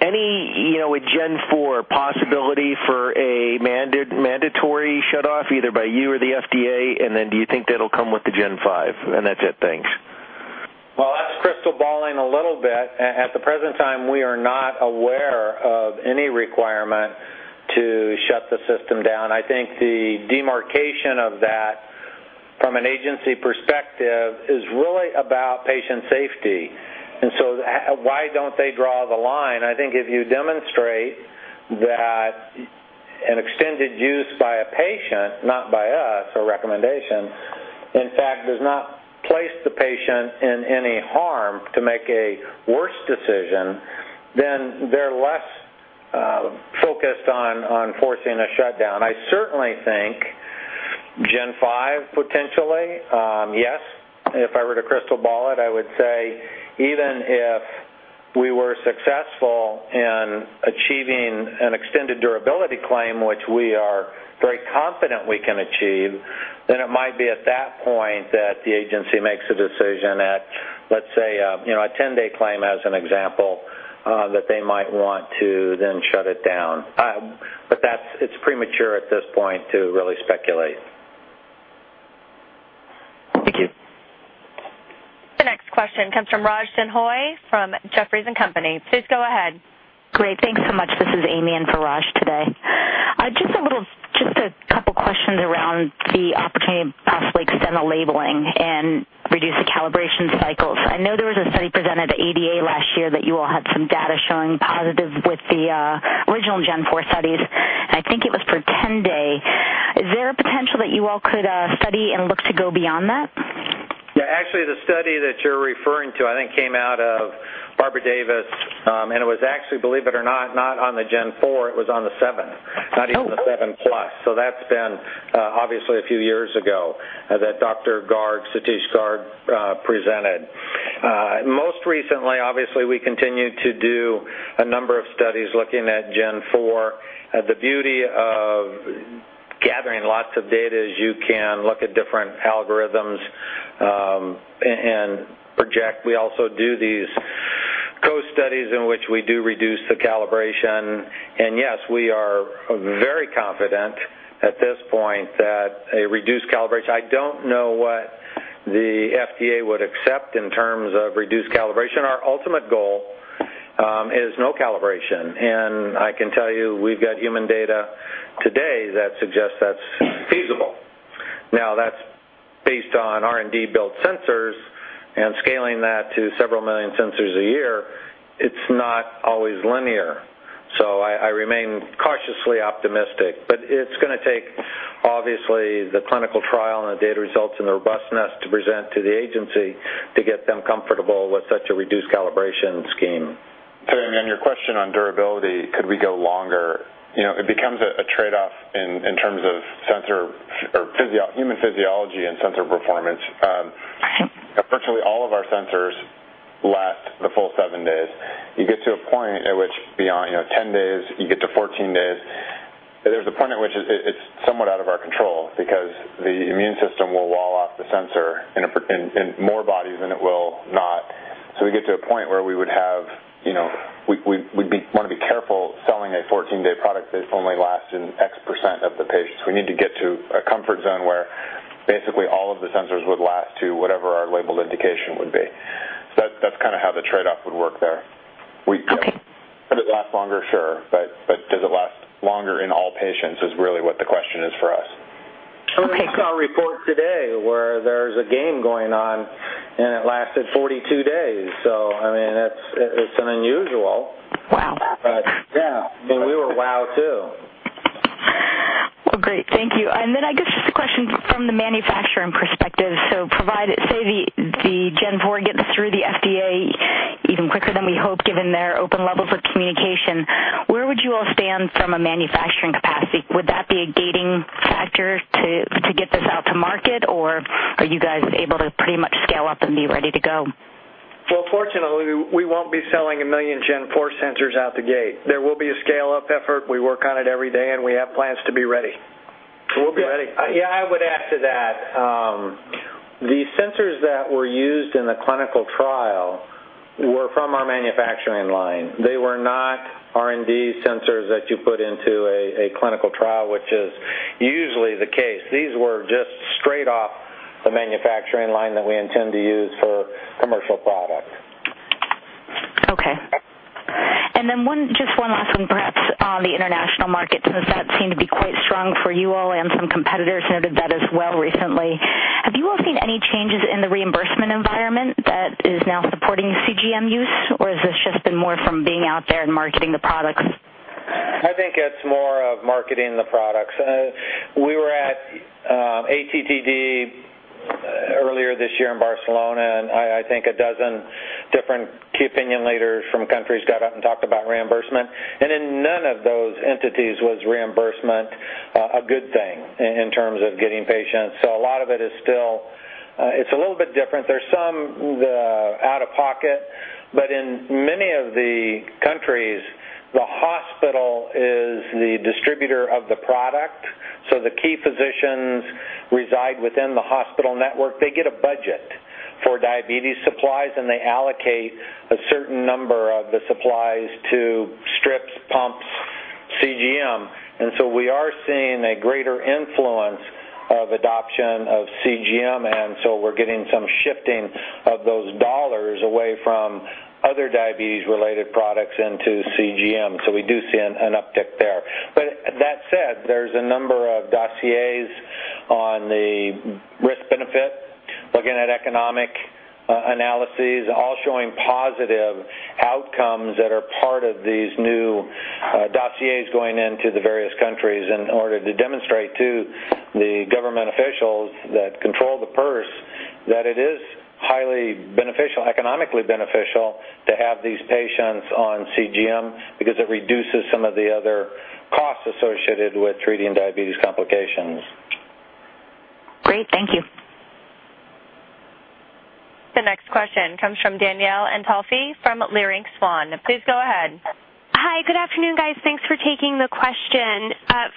Any, you know, with Gen 4 possibility for a mandatory shutoff either by you or the FDA, do you think that'll come with the Gen 5? That's it. Thanks. Well, that's crystal balling a little bit. At the present time, we are not aware of any requirement to shut the system down. I think the demarcation of that from an agency perspective is really about patient safety. Why don't they draw the line? I think if you demonstrate that an extended use by a patient, not by us or recommendation, in fact does not place the patient in any harm to make a worse decision, then they're less focused on forcing a shutdown. I certainly think Gen 5 potentially, yes. If I were to crystal ball it, I would say even if we were successful in achieving an extended durability claim, which we are very confident we can achieve, then it might be at that point that the agency makes a decision at, let's say, you know, a 10-day claim as an example, that they might want to then shut it down. That's it. It's premature at this point to really speculate. Next question comes from Raj Denhoy from Jefferies & Company. Please go ahead. Great. Thanks so much. This is Amy in for Raj today. Just a couple questions around the opportunity to possibly extend the labeling and reduce the calibration cycles. I know there was a study presented at ADA last year that you all had some data showing positive with the original Gen 4 studies, and I think it was for 10-day. Is there a potential that you all could study and look to go beyond that? Yeah, actually the study that you're referring to, I think, came out of Barbara Davis. It was actually, believe it or not on the Gen 4, it was on the SEVEN. Oh. Not even the SEVEN PLUS. That's been obviously a few years ago that Dr. Garg, Satish Garg, presented. Most recently, obviously, we continued to do a number of studies looking at Gen 4. The beauty of gathering lots of data is you can look at different algorithms, and project. We also do these co-studies in which we do reduce the calibration. Yes, we are very confident at this point that a reduced calibration. I don't know what the FDA would accept in terms of reduced calibration. Our ultimate goal is no calibration. I can tell you we've got human data today that suggests that's feasible. Now, that's based on R&D-built sensors, and scaling that to several million sensors a year, it's not always linear. I remain cautiously optimistic, but it's gonna take, obviously, the clinical trial and the data results and the robustness to present to the agency to get them comfortable with such a reduced calibration scheme. On your question on durability, could we go longer? It becomes a trade-off in terms of sensor or human physiology and sensor performance. Virtually all of our sensors last the full seven days. You get to a point at which beyond 10 days, you get to 14 days, there's a point at which it's somewhat out of our control because the immune system will wall off the sensor in more bodies than it will not. We get to a point where we want to be careful selling a 14-day product that's only lasting X% of the patients. We need to get to a comfort zone where basically all of the sensors would last to whatever our labeled indication would be. That's kinda how the trade-off would work there. Okay. Could it last longer? Sure. Does it last longer in all patients is really what the question is for us. Okay. We saw a report today where there's a game going on, and it lasted 42 days. I mean, it's unusual. Wow. Yeah. I mean, we were wowed, too. Well, great. Thank you. I guess just a question from the manufacturing perspective. Provided, say, the Gen 4 gets through the FDA even quicker than we hoped, given their open level for communication, where would you all stand from a manufacturing capacity? Would that be a gating factor to get this out to market, or are you guys able to pretty much scale up and be ready to go? Well, fortunately, we won't be selling a million Gen 4 sensors out the gate. There will be a scale-up effort. We work on it every day, and we have plans to be ready. We'll be ready. Yeah, I would add to that. The sensors that were used in the clinical trial were from our manufacturing line. They were not R&D sensors that you put into a clinical trial, which is usually the case. These were just straight off the manufacturing line that we intend to use for commercial product. Okay. One, just one last one, perhaps on the international market, since that seemed to be quite strong for you all and some competitors noted that as well recently. Have you all seen any changes in the reimbursement environment that is now supporting CGM use, or has this just been more from being out there and marketing the products? I think it's more of marketing the products. We were at ATTD earlier this year in Barcelona, and I think a dozen different key opinion leaders from countries got up and talked about reimbursement. In none of those entities was reimbursement a good thing in terms of getting patients. A lot of it is still it's a little bit different. There's some out of pocket, but in many of the countries, the hospital is the distributor of the product, so the key physicians reside within the hospital network. They get a budget for diabetes supplies, and they allocate a certain number of the supplies to strips, pumps, CGM. We are seeing a greater influence of adoption of CGM, and so we're getting some shifting of those dollars away from other diabetes-related products into CGM. We do see an uptick there. That said, there's a number of dossiers on the risk-benefit, looking at economic analyses, all showing positive outcomes that are part of these new dossiers going into the various countries in order to demonstrate to the government officials that control the purse, that it is highly beneficial, economically beneficial, to have these patients on CGM because it reduces some of the other costs associated with treating diabetes complications. Great. Thank you. The next question comes from Danielle Antalffy from Leerink Swann. Please go ahead. Hi. Good afternoon, guys. Thanks for taking the question.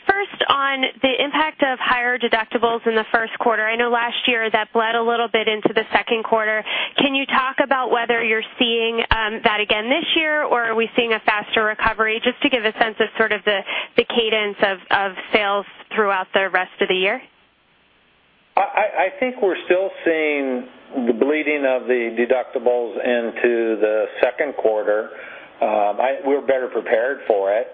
First on the impact of higher deductibles in the first quarter. I know last year that bled a little bit into the second quarter. Can you talk about whether you're seeing that again this year, or are we seeing a faster recovery? Just to give a sense of sort of the cadence of sales throughout the rest of the year? I think we're still seeing the bleeding of the deductibles into the second quarter. We're better prepared for it.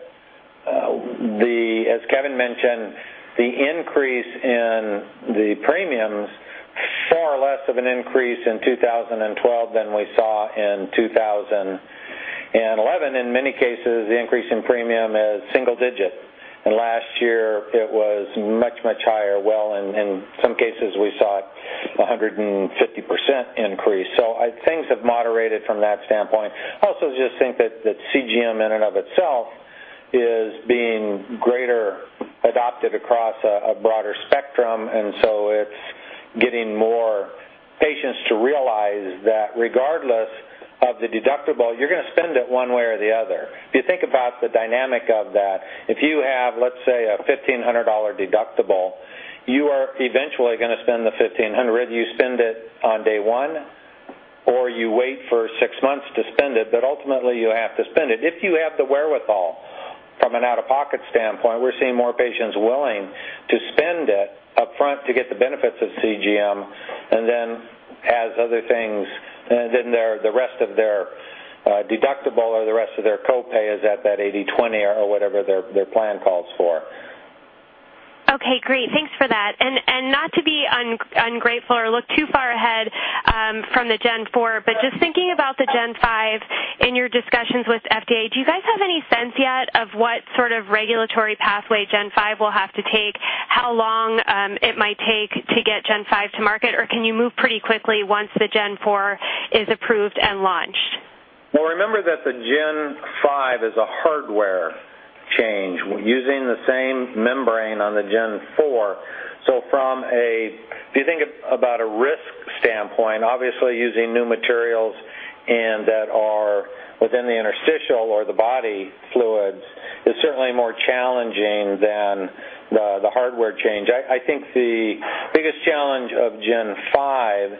As Kevin mentioned, the increase in the premiums, far less of an increase in 2012 than we saw in 2011. In many cases, the increase in premium is single digit. Last year it was much, much higher. Well, in some cases, we saw a 150% increase. Things have moderated from that standpoint. I also just think that the CGM in and of itself is being greatly adopted across a broader spectrum, and so it's getting more patients to realize that regardless of the deductible, you're gonna spend it one way or the other. If you think about the dynamic of that, if you have, let's say, a $1,500 deductible, you are eventually gonna spend the $1,500. You spend it on day one, or you wait for six months to spend it, but ultimately you have to spend it. If you have the wherewithal from an out-of-pocket standpoint, we're seeing more patients willing to spend it up front to get the benefits of CGM and then as other things, and then the rest of their deductible or the rest of their copay is at that 80/20 or whatever their plan calls for. Okay, great. Thanks for that. Not to be ungrateful or look too far ahead, from the Gen 4, but just thinking about the Gen 5 in your discussions with FDA, do you guys have any sense yet of what sort of regulatory pathway Gen 5 will have to take? How long it might take to get Gen 5 to market? Or can you move pretty quickly once the Gen 4 is approved and launched? Well, remember that the Gen 5 is a hardware change. We're using the same membrane on the Gen 4. If you think about a risk standpoint, obviously using new materials and that are within the interstitial or the body fluids is certainly more challenging than the hardware change. I think the biggest challenge of Gen 5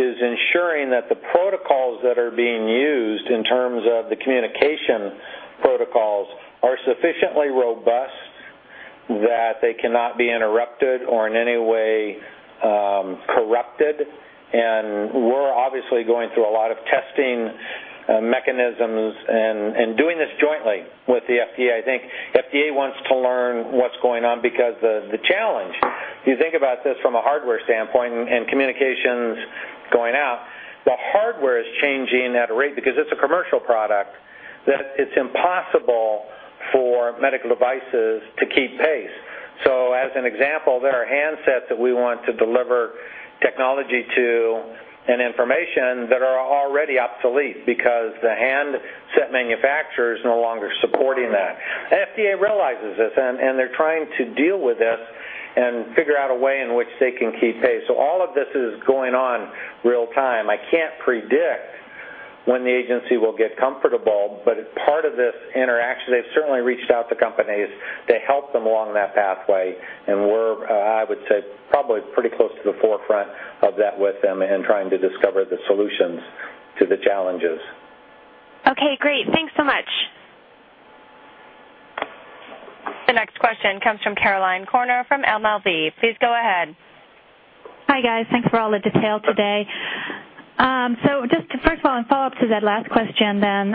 is ensuring that the protocols that are being used in terms of the communication protocols are sufficiently robust that they cannot be interrupted or in any way corrupted. We're obviously going through a lot of testing mechanisms and doing this jointly with the FDA. I think FDA wants to learn what's going on because the challenge, if you think about this from a hardware standpoint and communications going out, the hardware is changing at a rate because it's a commercial product, that it's impossible for medical devices to keep pace. As an example, there are handsets that we want to deliver technology to and information that are already obsolete because the handset manufacturer is no longer supporting that. FDA realizes this, and they're trying to deal with this and figure out a way in which they can keep pace. All of this is going on real-time. I can't predict when the agency will get comfortable, but as part of this interaction, they've certainly reached out to companies to help them along that pathway. We're, I would say, probably pretty close to the forefront of that with them in trying to discover the solutions to the challenges. Okay, great. Thanks so much. The next question comes from Caroline Corner from MLV. Please go ahead. Hi, guys. Thanks for all the detail today. Just first of all, follow-up to that last question then,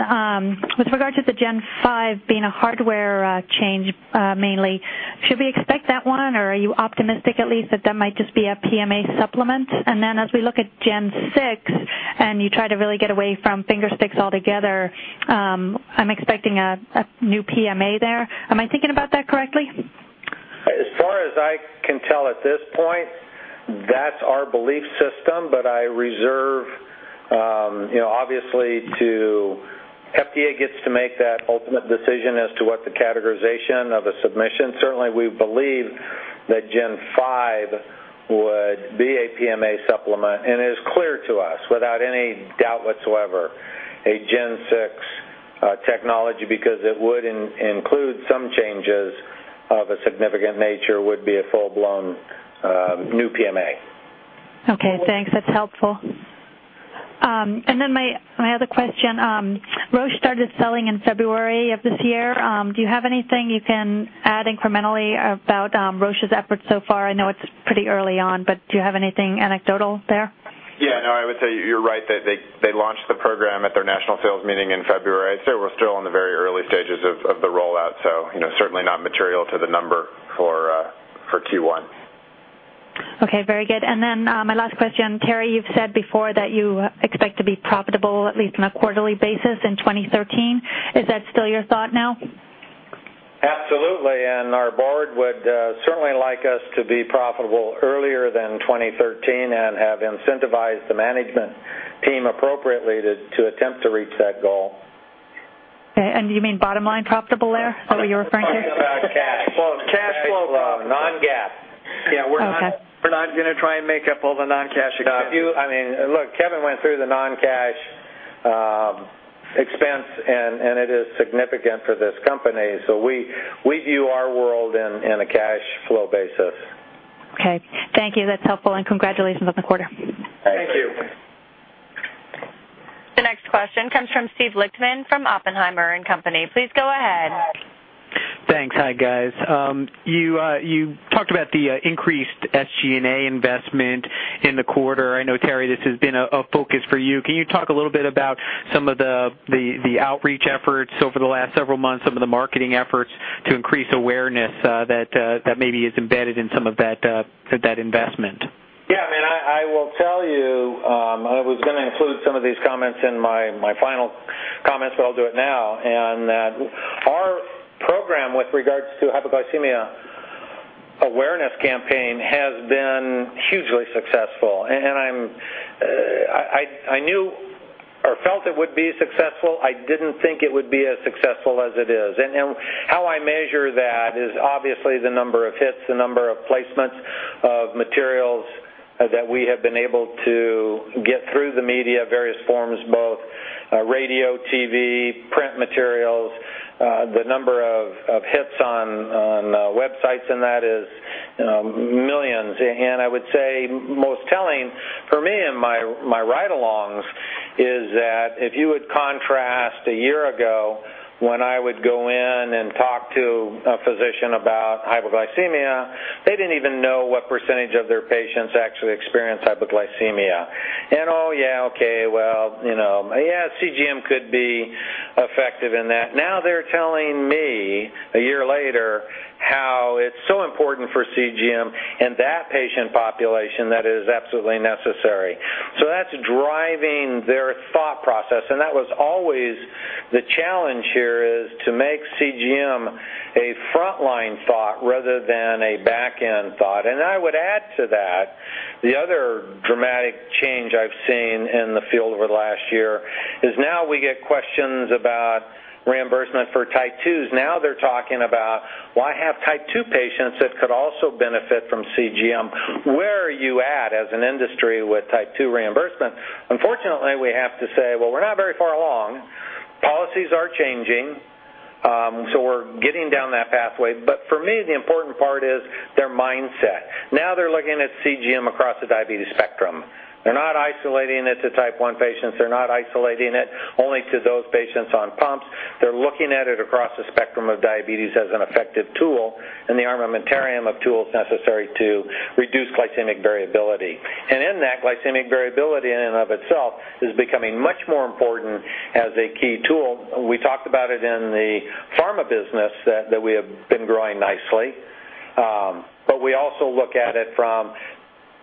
with regard to the Gen 5 being a hardware change, mainly, should we expect that one or are you optimistic at least that that might just be a PMA supplement? As we look at Gen 6 and you try to really get away from finger sticks altogether, I'm expecting a new PMA there. Am I thinking about that correctly? As far as I can tell at this point, that's our belief system. I reserve, you know, obviously FDA gets to make that ultimate decision as to what the categorization of a submission. Certainly we believe that Gen 5 would be a PMA supplement. It is clear to us, without any doubt whatsoever, a Gen 6 technology because it would include some changes of a significant nature would be a full-blown new PMA. Okay, thanks. That's helpful. My other question. Roche started selling in February of this year. Do you have anything you can add incrementally about Roche's efforts so far? I know it's pretty early on, but do you have anything anecdotal there? Yeah, no, I would say you're right that they launched the program at their national sales meeting in February. I'd say we're still in the very early stages of the rollout, so, you know, certainly not material to the number for Q1. Okay, very good. My last question. Terry, you've said before that you expect to be profitable at least on a quarterly basis in 2013. Is that still your thought now? Absolutely. Our board would certainly like us to be profitable earlier than 2013 and have incentivized the management team appropriately to attempt to reach that goal. Okay. Do you mean bottom line profitable there? What were you referring to? Talking about cash. Cash flow. Cash flow. Non-GAAP. Okay. Yeah, we're not gonna try and make up all the non-cash expenses. No. I mean, look, Kevin went through the non-cash expense, and it is significant for this company. We view our world in a cash flow basis. Okay. Thank you. That's helpful, and congratulations on the quarter. Thank you. Comes from Steve Lichtman from Oppenheimer & Co. Please go ahead. Thanks. Hi, guys. You talked about the increased SG&A investment in the quarter. I know, Terry, this has been a focus for you. Can you talk a little bit about some of the outreach efforts over the last several months, some of the marketing efforts to increase awareness that maybe is embedded in some of that investment? Yeah, I mean, I will tell you, I was gonna include some of these comments in my final comments, but I'll do it now. That our program with regards to hypoglycemia awareness campaign has been hugely successful, and I knew or felt it would be successful. I didn't think it would be as successful as it is. How I measure that is obviously the number of hits, the number of placements of materials, that we have been able to get through the media, various forms, both radio, TV, print materials, the number of hits on websites, and that is millions. I would say most telling for me in my ride-alongs is that if you would contrast a year ago when I would go in and talk to a physician about hypoglycemia, they didn't even know what percentage of their patients actually experience hypoglycemia. "Oh, yeah, okay. Well, you know, yeah, CGM could be effective in that." Now they're telling me a year later how it's so important for CGM in that patient population that is absolutely necessary. That's driving their thought process, and that was always the challenge here is to make CGM a frontline thought rather than a backend thought. I would add to that, the other dramatic change I've seen in the field over the last year is now we get questions about reimbursement for Type 2s. Now they're talking about, well, I have Type 2 patients that could also benefit from CGM. Where are you at as an industry with Type 2 reimbursement? Unfortunately, we have to say, "Well, we're not very far along." Policies are changing, so we're getting down that pathway. For me, the important part is their mindset. Now they're looking at CGM across the diabetes spectrum. They're not isolating it to Type 1 patients. They're not isolating it only to those patients on pumps. They're looking at it across the spectrum of diabetes as an effective tool, and the armamentarium of tools necessary to reduce glycemic variability. In that, glycemic variability in and of itself is becoming much more important as a key tool. We talked about it in the pharma business that we have been growing nicely. We also look at it from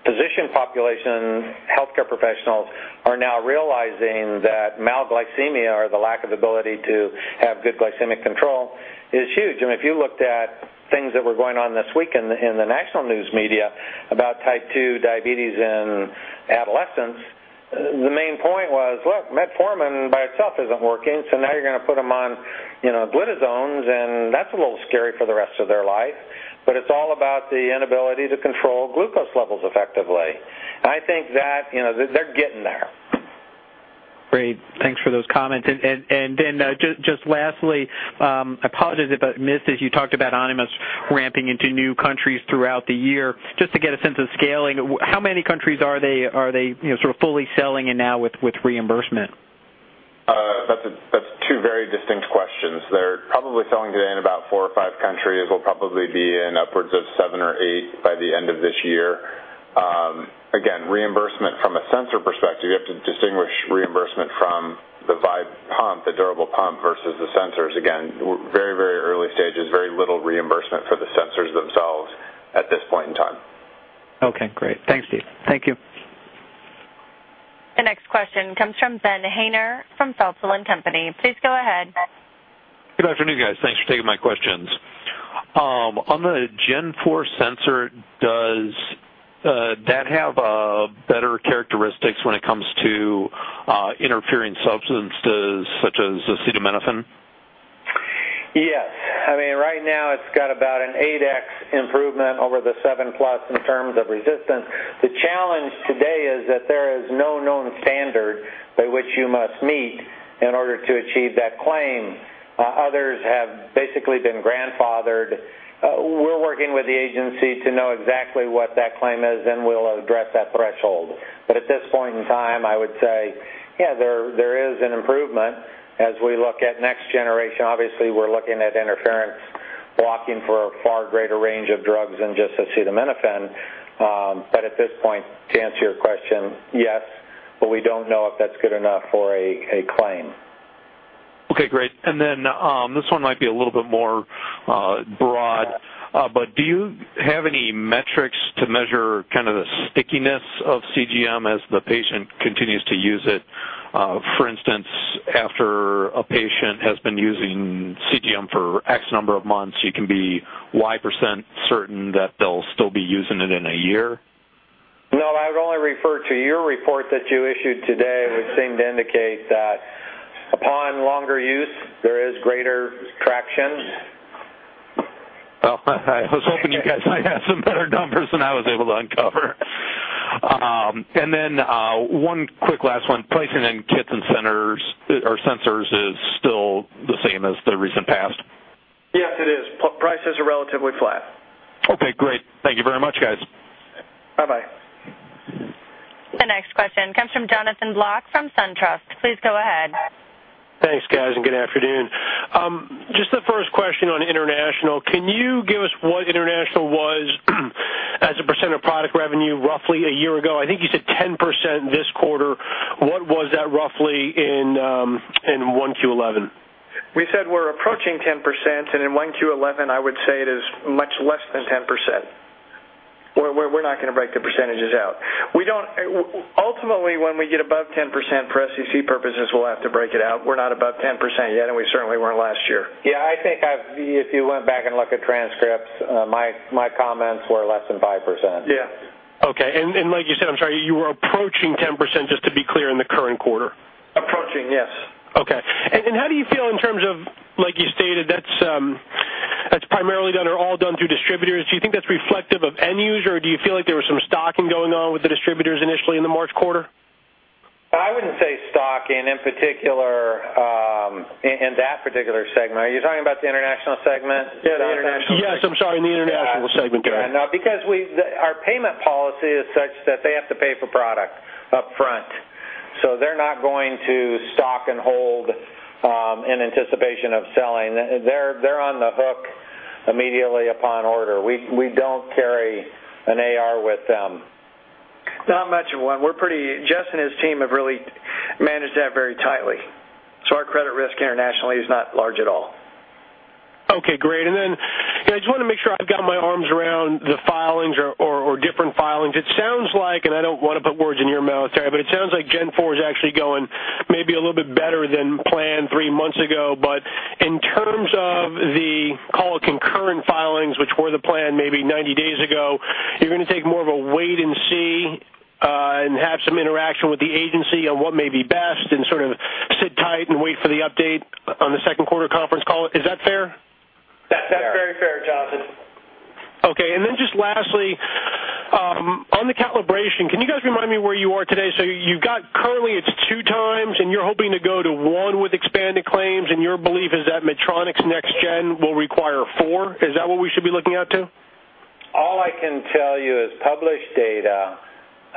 physician population. Healthcare professionals are now realizing that malglycemia or the lack of ability to have good glycemic control is huge. I mean, if you looked at things that were going on this week in the national news media about Type 2 diabetes in adolescents, the main point was, look, metformin by itself isn't working, so now you're gonna put them on, you know, glitazones, and that's a little scary for the rest of their life. It's all about the inability to control glucose levels effectively. I think that, you know, they're getting there. Great. Thanks for those comments. Then just lastly, I apologize if I missed this. You talked about Animas ramping into new countries throughout the year. Just to get a sense of scaling, how many countries are they, you know, sort of fully selling in now with reimbursement? That's two very distinct questions. They're probably selling today in about four or five countries. We'll probably be in upwards of seven or eight by the end of this year. Again, reimbursement from a sensor perspective, you have to distinguish reimbursement from the Vibe pump, the durable pump versus the sensors. Again, we're very, very early stages, very little reimbursement for the sensors themselves at this point in time. Okay, great. Thanks, Steve. Thank you. The next question comes from Ben Haynor from Feltl and Company. Please go ahead. Good afternoon, guys. Thanks for taking my questions. On the Gen 4 sensor, does that have better characteristics when it comes to interfering substances such as acetaminophen? Yes. I mean, right now it's got about an 8x improvement over the SEVEN PLUS in terms of resistance. The challenge today is that there is no known standard by which you must meet in order to achieve that claim. Others have basically been grandfathered. We're working with the agency to know exactly what that claim is, and we'll address that threshold. But at this point in time, I would say yeah, there is an improvement. As we look at next generation, obviously, we're looking at interference blocking for a far greater range of drugs than just acetaminophen. But at this point, to answer your question, yes, but we don't know if that's good enough for a claim. Okay, great. This one might be a little bit more broad, but do you have any metrics to measure kind of the stickiness of CGM as the patient continues to use it? For instance, after a patient has been using CGM for X number of months, you can be Y% certain that they'll still be using it in a year. No, I would only refer to your report that you issued today, which seemed to indicate that upon longer use there is greater traction. Well, I was hoping you guys might have some better numbers than I was able to uncover. One quick last one. Pricing in kits and transmitters or sensors is still the same as the recent past? Yes, it is. Prices are relatively flat. The next question comes from Jonathan Block from SunTrust. Please go ahead. Thanks, guys, and good afternoon. Just the first question on international. Can you give us what international was as a percent of product revenue roughly a year ago? I think you said 10% this quarter. What was that roughly in 1Q11? We said we're approaching 10% and in 1Q 2011, I would say it is much less than 10%. We're not gonna break the percentages out. Ultimately, when we get above 10% for SEC purposes, we'll have to break it out. We're not above 10% yet, and we certainly weren't last year. Yeah, I think if you went back and look at transcripts, my comments were less than 5%. Yeah. Okay. Like you said, I'm sorry, you were approaching 10%, just to be clear, in the current quarter. Approaching, yes. Okay. How do you feel in terms of like you stated, that's primarily done or all done through distributors? Do you think that's reflective of end user, or do you feel like there was some stocking going on with the distributors initially in the March quarter? I wouldn't say stocking in particular, in that particular segment. Are you talking about the international segment? Yes, I'm sorry. In the international segment. Go ahead. Yeah, no, because our payment policy is such that they have to pay for product upfront, so they're not going to stock and hold in anticipation of selling. They're on the hook immediately upon order. We don't carry an AR with them. Not much of one. We're pretty. Jess and his team have really managed that very tightly. Our credit risk internationally is not large at all. Okay, great. Then I just wanna make sure I've got my arms around the filings or different filings. It sounds like, and I don't wanna put words in your mouth, Terry, but it sounds like Gen 4 is actually going maybe a little bit better than planned three months ago. In terms of the Gen 4 concurrent filings, which were the plan maybe 90 days ago, you're gonna take more of a wait and see, and have some interaction with the agency on what may be best and sort of sit tight and wait for the update on the second quarter conference call. Is that fair? That's very fair, Jonathan. Okay. Just lastly, on the calibration, can you guys remind me where you are today? You've got currently it's 2x and you're hoping to go to 1 with expanded claims, and your belief is that Medtronic's next gen will require 4. Is that what we should be looking forward to? All I can tell you is published data,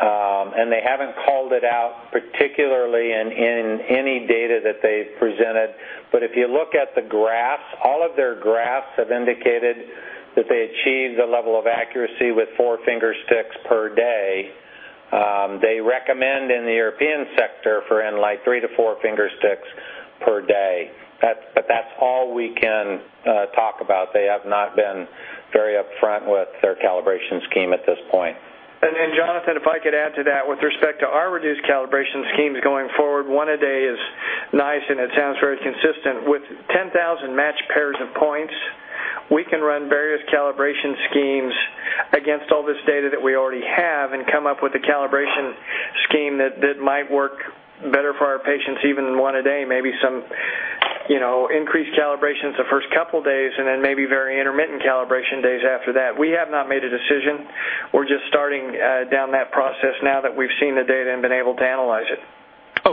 and they haven't called it out particularly in any data that they've presented. If you look at the graphs, all of their graphs have indicated that they achieved a level of accuracy with four finger sticks per day. They recommend in the European sector for like 3-4 finger sticks per day. That's all we can talk about. They have not been very upfront with their calibration scheme at this point. Jonathan, if I could add to that with respect to our reduced calibration schemes going forward, one a day is nice and it sounds very consistent. With 10,000 matched pairs of points, we can run various calibration schemes against all this data that we already have and come up with a calibration scheme that might work better for our patients even than one a day, maybe some, you know, increased calibrations the first couple days and then maybe very intermittent calibration days after that. We have not made a decision. We're just starting down that process now that we've seen the data and been able to analyze it.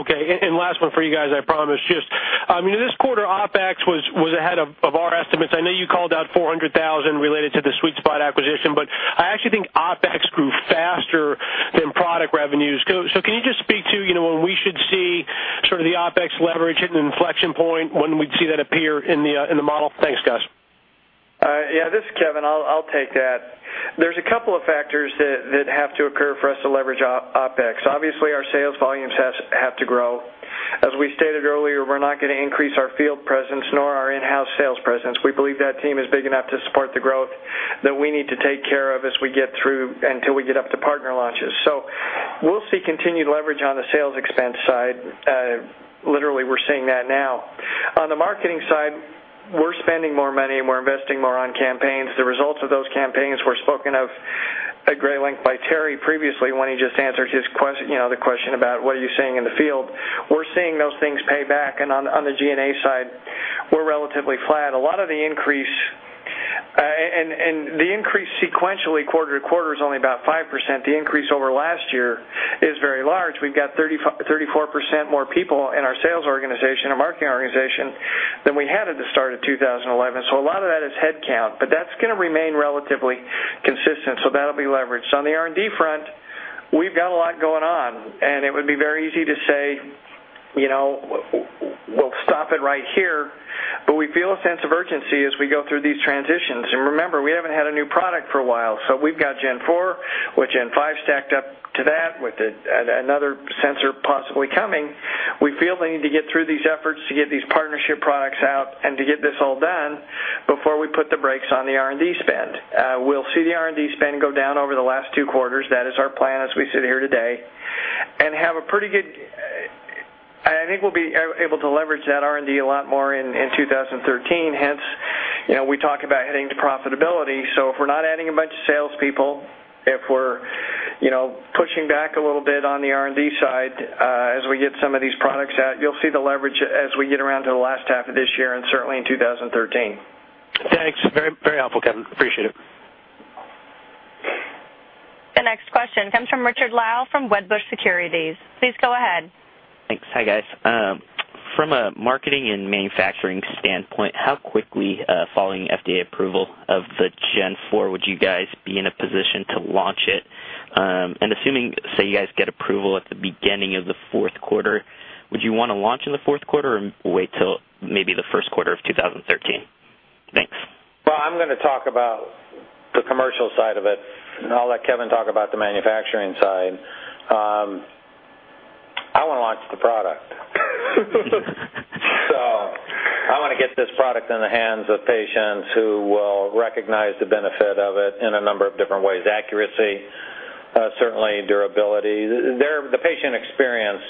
Okay. Last one for you guys, I promise. Just, I mean, in this quarter, OpEx was ahead of our estimates. I know you called out $400,000 related to the SweetSpot acquisition, but I actually think OpEx grew faster than product revenues. Can you just speak to, you know, when we should see sort of the OpEx leverage at an inflection point, when we'd see that appear in the model? Thanks, guys. Yeah, this is Kevin. I'll take that. There's a couple of factors that have to occur for us to leverage OpEx. Obviously, our sales volumes have to grow. As we stated earlier, we're not gonna increase our field presence nor our in-house sales presence. We believe that team is big enough to support the growth that we need to take care of as we get through until we get up to partner launches. We'll see continued leverage on the sales expense side. Literally, we're seeing that now. On the marketing side, we're spending more money and we're investing more on campaigns. The results of those campaigns were spoken of at great length by Terry previously when he just answered you know, the question about what are you seeing in the field. We're seeing those things pay back. On the G&A side, we're relatively flat. A lot of the increase and the increase sequentially quarter-over-quarter is only about 5%. The year-over-year increase is very large. We've got 34% more people in our sales organization, our marketing organization than we had at the start of 2011. A lot of that is headcount, but that's gonna remain relatively consistent, so that'll be leveraged. On the R&D front, we've got a lot going on, and it would be very easy to say, you know, we'll stop it right here, but we feel a sense of urgency as we go through these transitions. Remember, we haven't had a new product for a while. We've got Gen 4 with Gen 5 stacked up to that with another sensor possibly coming. We feel the need to get through these efforts to get these partnership products out and to get this all done before we put the brakes on the R&D spend. We'll see the R&D spend go down over the last two quarters. That is our plan as we sit here today. I think we'll be able to leverage that R&D a lot more in 2013. Hence, you know, we talk about heading to profitability. If we're not adding a bunch of salespeople, if we're, you know, pushing back a little bit on the R&D side, as we get some of these products out, you'll see the leverage as we get around to the last half of this year and certainly in 2013. Thanks. Very, very helpful, Kevin. Appreciate it. The next question comes from Richard Lau from Wedbush Securities. Please go ahead. Thanks. Hi, guys. From a marketing and manufacturing standpoint, how quickly following FDA approval of the Dexcom Gen 4 would you guys be in a position to launch it? Assuming, say you guys get approval at the beginning of the fourth quarter, would you wanna launch in the fourth quarter or wait till maybe the first quarter of 2013? Thanks. I'm gonna talk about the commercial side of it, and I'll let Kevin talk about the manufacturing side. I wanna launch the product. I wanna get this product in the hands of patients who will recognize the benefit of it in a number of different ways. Accuracy, certainly durability. The patient experience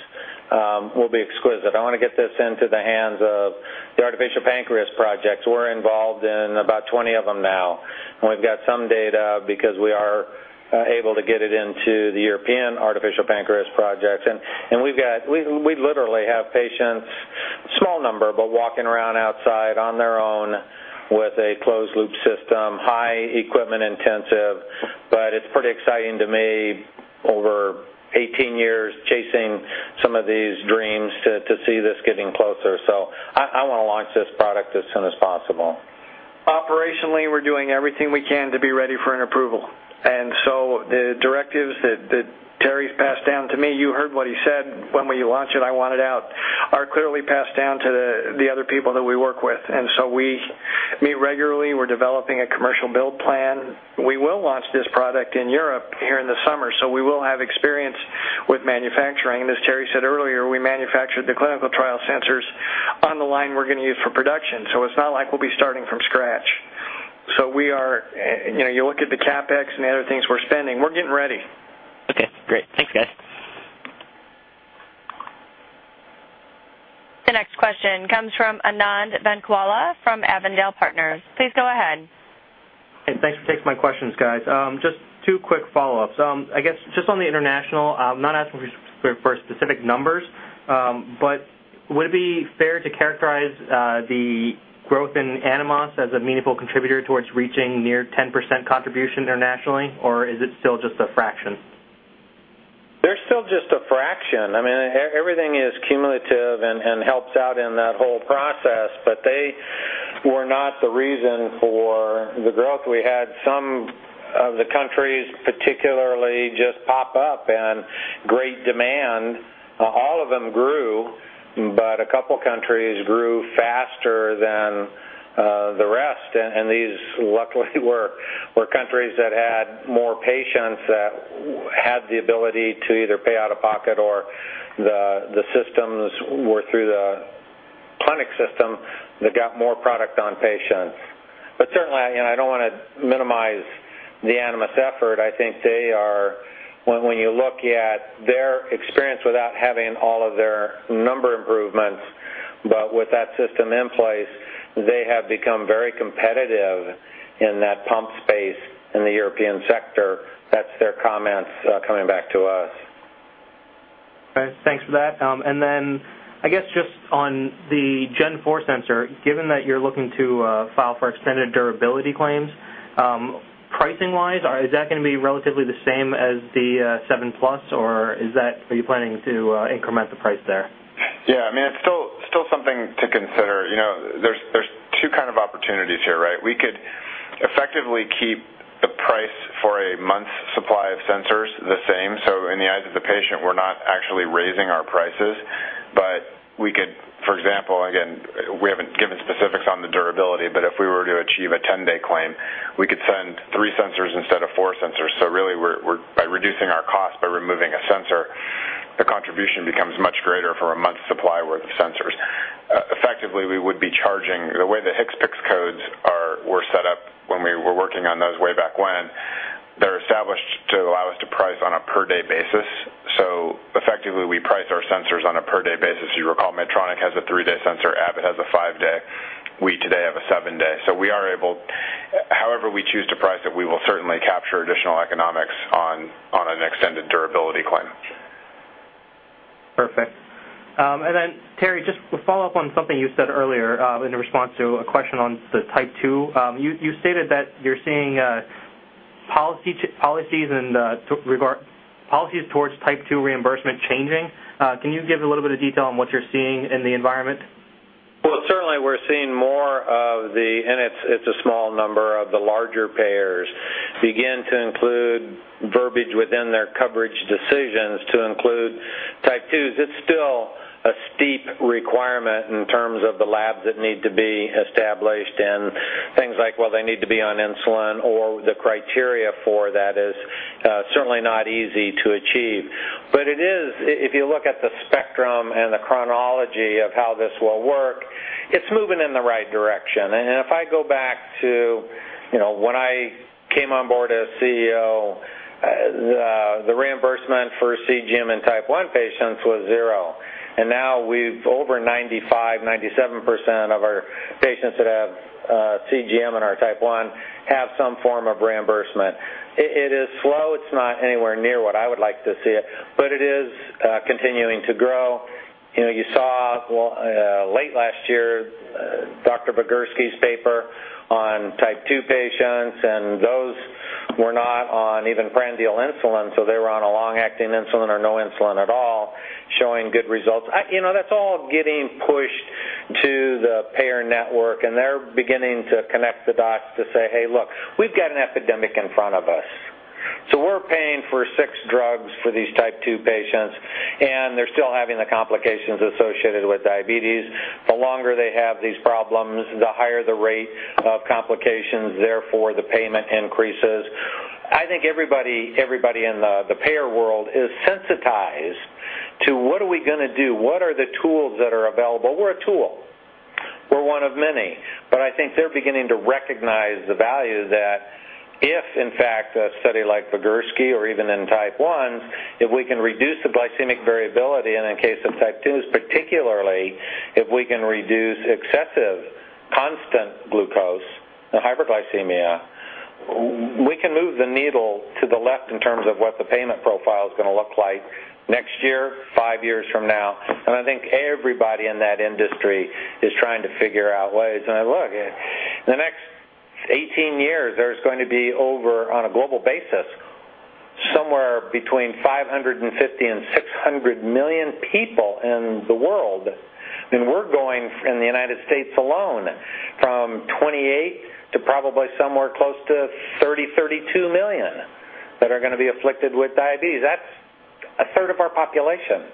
will be exquisite. I wanna get this into the hands of the artificial pancreas projects. We're involved in about 20 of them now. We've got some data because we are able to get it into the European artificial pancreas projects. We literally have patients, small number, but walking around outside on their own with a closed loop system, high equipment intensive. It's pretty exciting to me over 18 years chasing some of these dreams to see this getting closer. I wanna launch this product as soon as possible. Operationally, we're doing everything we can to be ready for an approval. The directives that Terry's passed down to me, you heard what he said, "When we launch it, I want it out," are clearly passed down to the other people that we work with. We meet regularly. We're developing a commercial build plan. We will launch this product in Europe here in the summer, so we will have experience with manufacturing. As Terry said earlier, we manufactured the clinical trial sensors on the line we're gonna use for production, so it's not like we'll be starting from scratch. We are, you know, you look at the CapEx and the other things we're spending, we're getting ready. Okay, great. Thanks, guys. The next question comes from Anand Venkataraman from Avondale Partners. Please go ahead. Thanks for taking my questions, guys. Just two quick follow-ups. I guess just on the international, I'm not asking for specific numbers, but would it be fair to characterize the growth in Animas as a meaningful contributor towards reaching near 10% contribution internationally, or is it still just a fraction? They're still just a fraction. I mean, everything is cumulative and helps out in that whole process, but they were not the reason for the growth. We had some of the countries particularly just pop up and great demand. All of them grew, but a couple countries grew faster than the rest. These luckily were countries that had more patients that had the ability to either pay out of pocket or the systems were through the clinic system that got more product on patients. But certainly, you know, I don't wanna minimize the Animas effort. I think they are. When you look at their experience without having all of their newer improvements, but with that system in place, they have become very competitive in that pump space in the European sector. That's their comments coming back to us. Okay. Thanks for that. I guess just on the Dexcom Gen 4 sensor, given that you're looking to file for extended durability claims, pricing-wise, is that gonna be relatively the same as the SEVEN, or are you planning to increment the price there? Yeah. I mean, it's still something to consider. You know, there's two kind of opportunities here, right? We could effectively keep the price for a month's supply of sensors the same. In the eyes of the patient, we're not actually raising our prices. We could, for example, again, we haven't given specifics on the durability, but if we were to achieve a 10-day claim, we could send three sensors instead of four sensors. Really, we're by reducing our cost by removing a sensor, the contribution becomes much greater for a month's supply worth of sensors. Effectively, we would be charging the way the HCPCS codes were set up when we were working on those way back when, they're established to allow us to price on a per day basis. Effectively, we price our sensors on a per day basis. You recall Medtronic has a three-day sensor, Abbott has a five-day, we today have a seven-day. We are able, however we choose to price it, we will certainly capture additional economics on an extended durability claim. Perfect. Terry, just to follow up on something you said earlier, in response to a question on the Type 2. You stated that you're seeing policies towards Type 2 reimbursement changing. Can you give a little bit of detail on what you're seeing in the environment? Well, certainly we're seeing a small number of the larger payers begin to include verbiage within their coverage decisions to include Type 2s. It's still a steep requirement in terms of the labs that need to be established and things like, well, they need to be on insulin or the criteria for that is certainly not easy to achieve. It is, if you look at the spectrum and the chronology of how this will work, it's moving in the right direction. If I go back to, you know, when I came on board as CEO, the reimbursement for CGM in Type 1 patients was zero. Now we've over 95%-97% of our patients that have CGM in our Type 1 have some form of reimbursement. It is slow. It's not anywhere near what I would like to see it, but it is continuing to grow. You know, you saw late last year Dr. Vigersky's paper on Type 2 patients, and those were not on even prandial insulin, so they were on a long-acting insulin or no insulin at all, showing good results. You know, that's all getting pushed to the payer network, and they're beginning to connect the dots to say, "Hey, look, we've got an epidemic in front of us. So we're paying for six drugs for these Type 2 patients, and they're still having the complications associated with diabetes. The longer they have these problems, the higher the rate of complications, therefore the payment increases." I think everybody in the payer world is sensitized to what are we gonna do? What are the tools that are available? We're a tool. We're one of many. I think they're beginning to recognize the value that if, in fact, a study like Vigersky or even in Type 1s, if we can reduce the glycemic variability, and in case of Type 2s particularly, if we can reduce excessive constant glucose and hyperglycemia, we can move the needle to the left in terms of what the payment profile is gonna look like next year, five years from now. I think everybody in that industry is trying to figure out ways. Look, in the next 18 years, there's going to be over, on a global basis, somewhere between 550 and 600 million people in the world. We're going, in the United States alone, from 28 million to probably somewhere close to 30 million, 32 million that are gonna be afflicted with diabetes. That's a third of our population.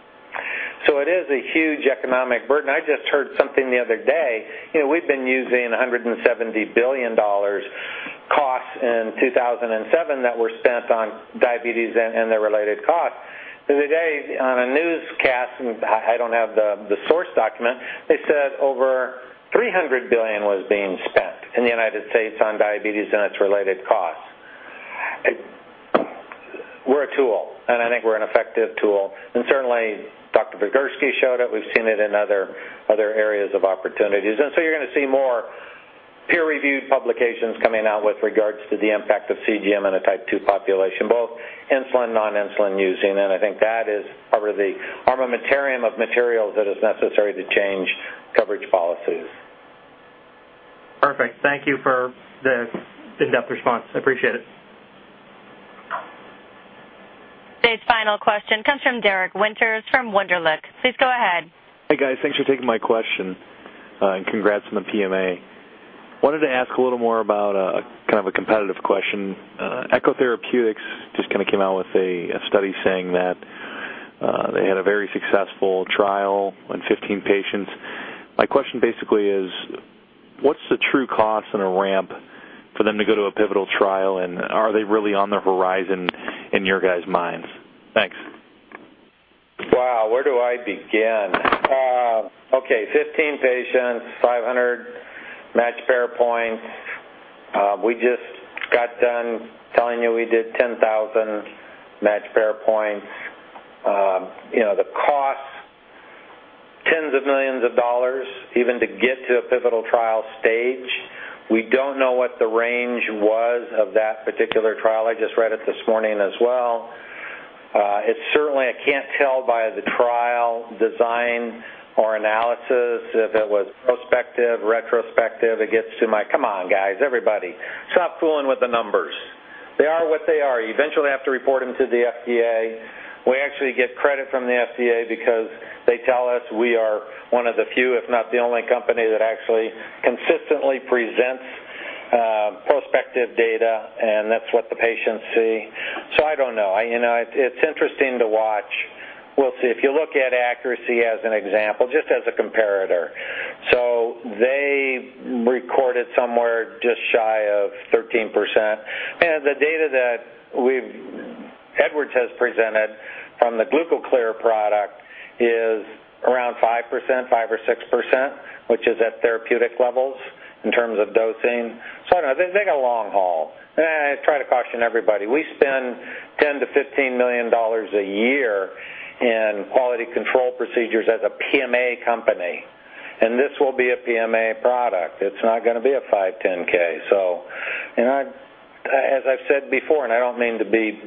It is a huge economic burden. I just heard something the other day. You know, we've been using $170 billion costs in 2007 that were spent on diabetes and their related costs. The other day on a newscast, and I don't have the source document, they said over $300 billion was being spent in the United States on diabetes and its related costs. We're a tool, and I think we're an effective tool. Certainly Dr. Vigersky showed it. We've seen it in other areas of opportunities. You're gonna see more peer-reviewed publications coming out with regards to the impact of CGM in a Type 2 population, both insulin, non-insulin using. I think that is part of the armamentarium of materials that is necessary to change coverage policies. Perfect. Thank you for the in-depth response. I appreciate it. Today's final question comes from Derek Winters from Wunderlich. Please go ahead. Hey, guys. Thanks for taking my question, and congrats on the PMA. Wanted to ask a little more about, kind of a competitive question. Echo Therapeutics just kinda came out with a study saying that they had a very successful trial in 15 patients. My question basically is, what's the true cost and a ramp for them to go to a pivotal trial, and are they really on the horizon in your guys' minds? Thanks. Wow, where do I begin? Okay, 15 patients, 500 matched pair points. We just got done telling you we did 10,000 matched pair points. You know, the cost, tens of millions of dollars even to get to a pivotal trial stage. We don't know what the range was of that particular trial. I just read it this morning as well. It's certainly, I can't tell by the trial design or analysis if it was prospective, retrospective. It gets to my, "Come on, guys, everybody, stop fooling with the numbers." They are what they are. You eventually have to report them to the FDA. We actually get credit from the FDA because they tell us we are one of the few, if not the only company, that actually consistently presents prospective data, and that's what the patients see. I don't know. You know, it's interesting to watch. We'll see. If you look at accuracy as an example, just as a comparator. They recorded somewhere just shy of 13%. The data Edwards has presented from the GlucoClear product is around 5%, 5%-6%, which is at therapeutic levels in terms of dosing. I don't know, they got a long haul. I try to caution everybody. We spend $10 million-$15 million a year in quality control procedures as a PMA company, and this will be a PMA product. It's not gonna be a 510(k). You know, as I've said before, and I don't mean to be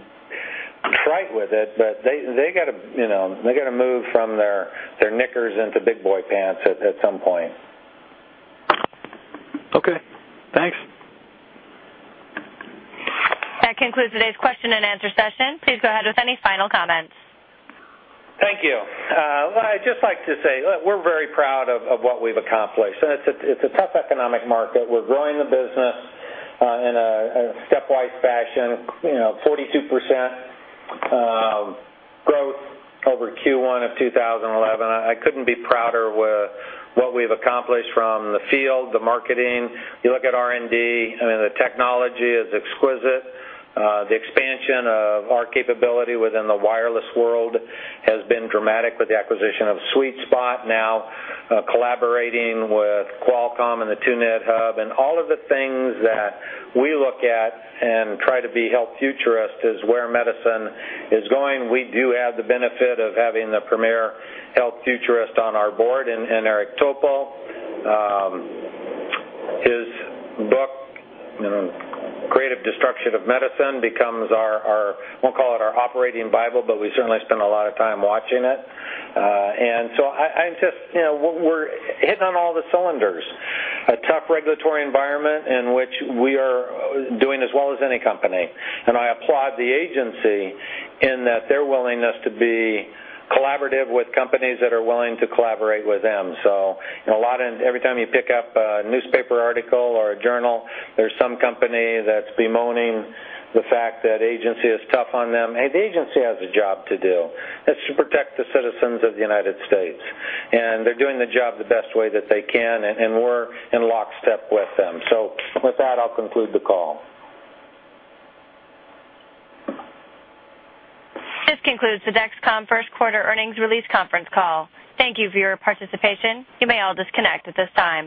trite with it, but they gotta move from their knickers into big boy pants at some point. Okay, thanks. That concludes today's question and answer session. Please go ahead with any final comments. Thank you. Well, I'd just like to say we're very proud of what we've accomplished. It's a tough economic market. We're growing the business in a stepwise fashion, you know, 42% growth over Q1 of 2011. I couldn't be prouder with what we've accomplished from the field, the marketing. You look at R&D, I mean, the technology is exquisite. The expansion of our capability within the wireless world has been dramatic with the acquisition of SweetSpot, now collaborating with Qualcomm and the 2net Hub. All of the things that we look at and try to be health futurist is where medicine is going. We do have the benefit of having the premier health futurist on our board in Eric Topol. His book, you know, Creative Destruction of Medicine, becomes our operating Bible, but we certainly spend a lot of time watching it. I just, you know, we're hitting on all cylinders. A tough regulatory environment in which we are doing as well as any company. I applaud the agency in that their willingness to be collaborative with companies that are willing to collaborate with them. Every time you pick up a newspaper article or a journal, there's some company that's bemoaning the fact that agency is tough on them, and the agency has a job to do. It's to protect the citizens of the United States, and they're doing the job the best way that they can, and we're in lockstep with them. With that, I'll conclude the call. This concludes the Dexcom first quarter earnings release conference call. Thank you for your participation. You may all disconnect at this time.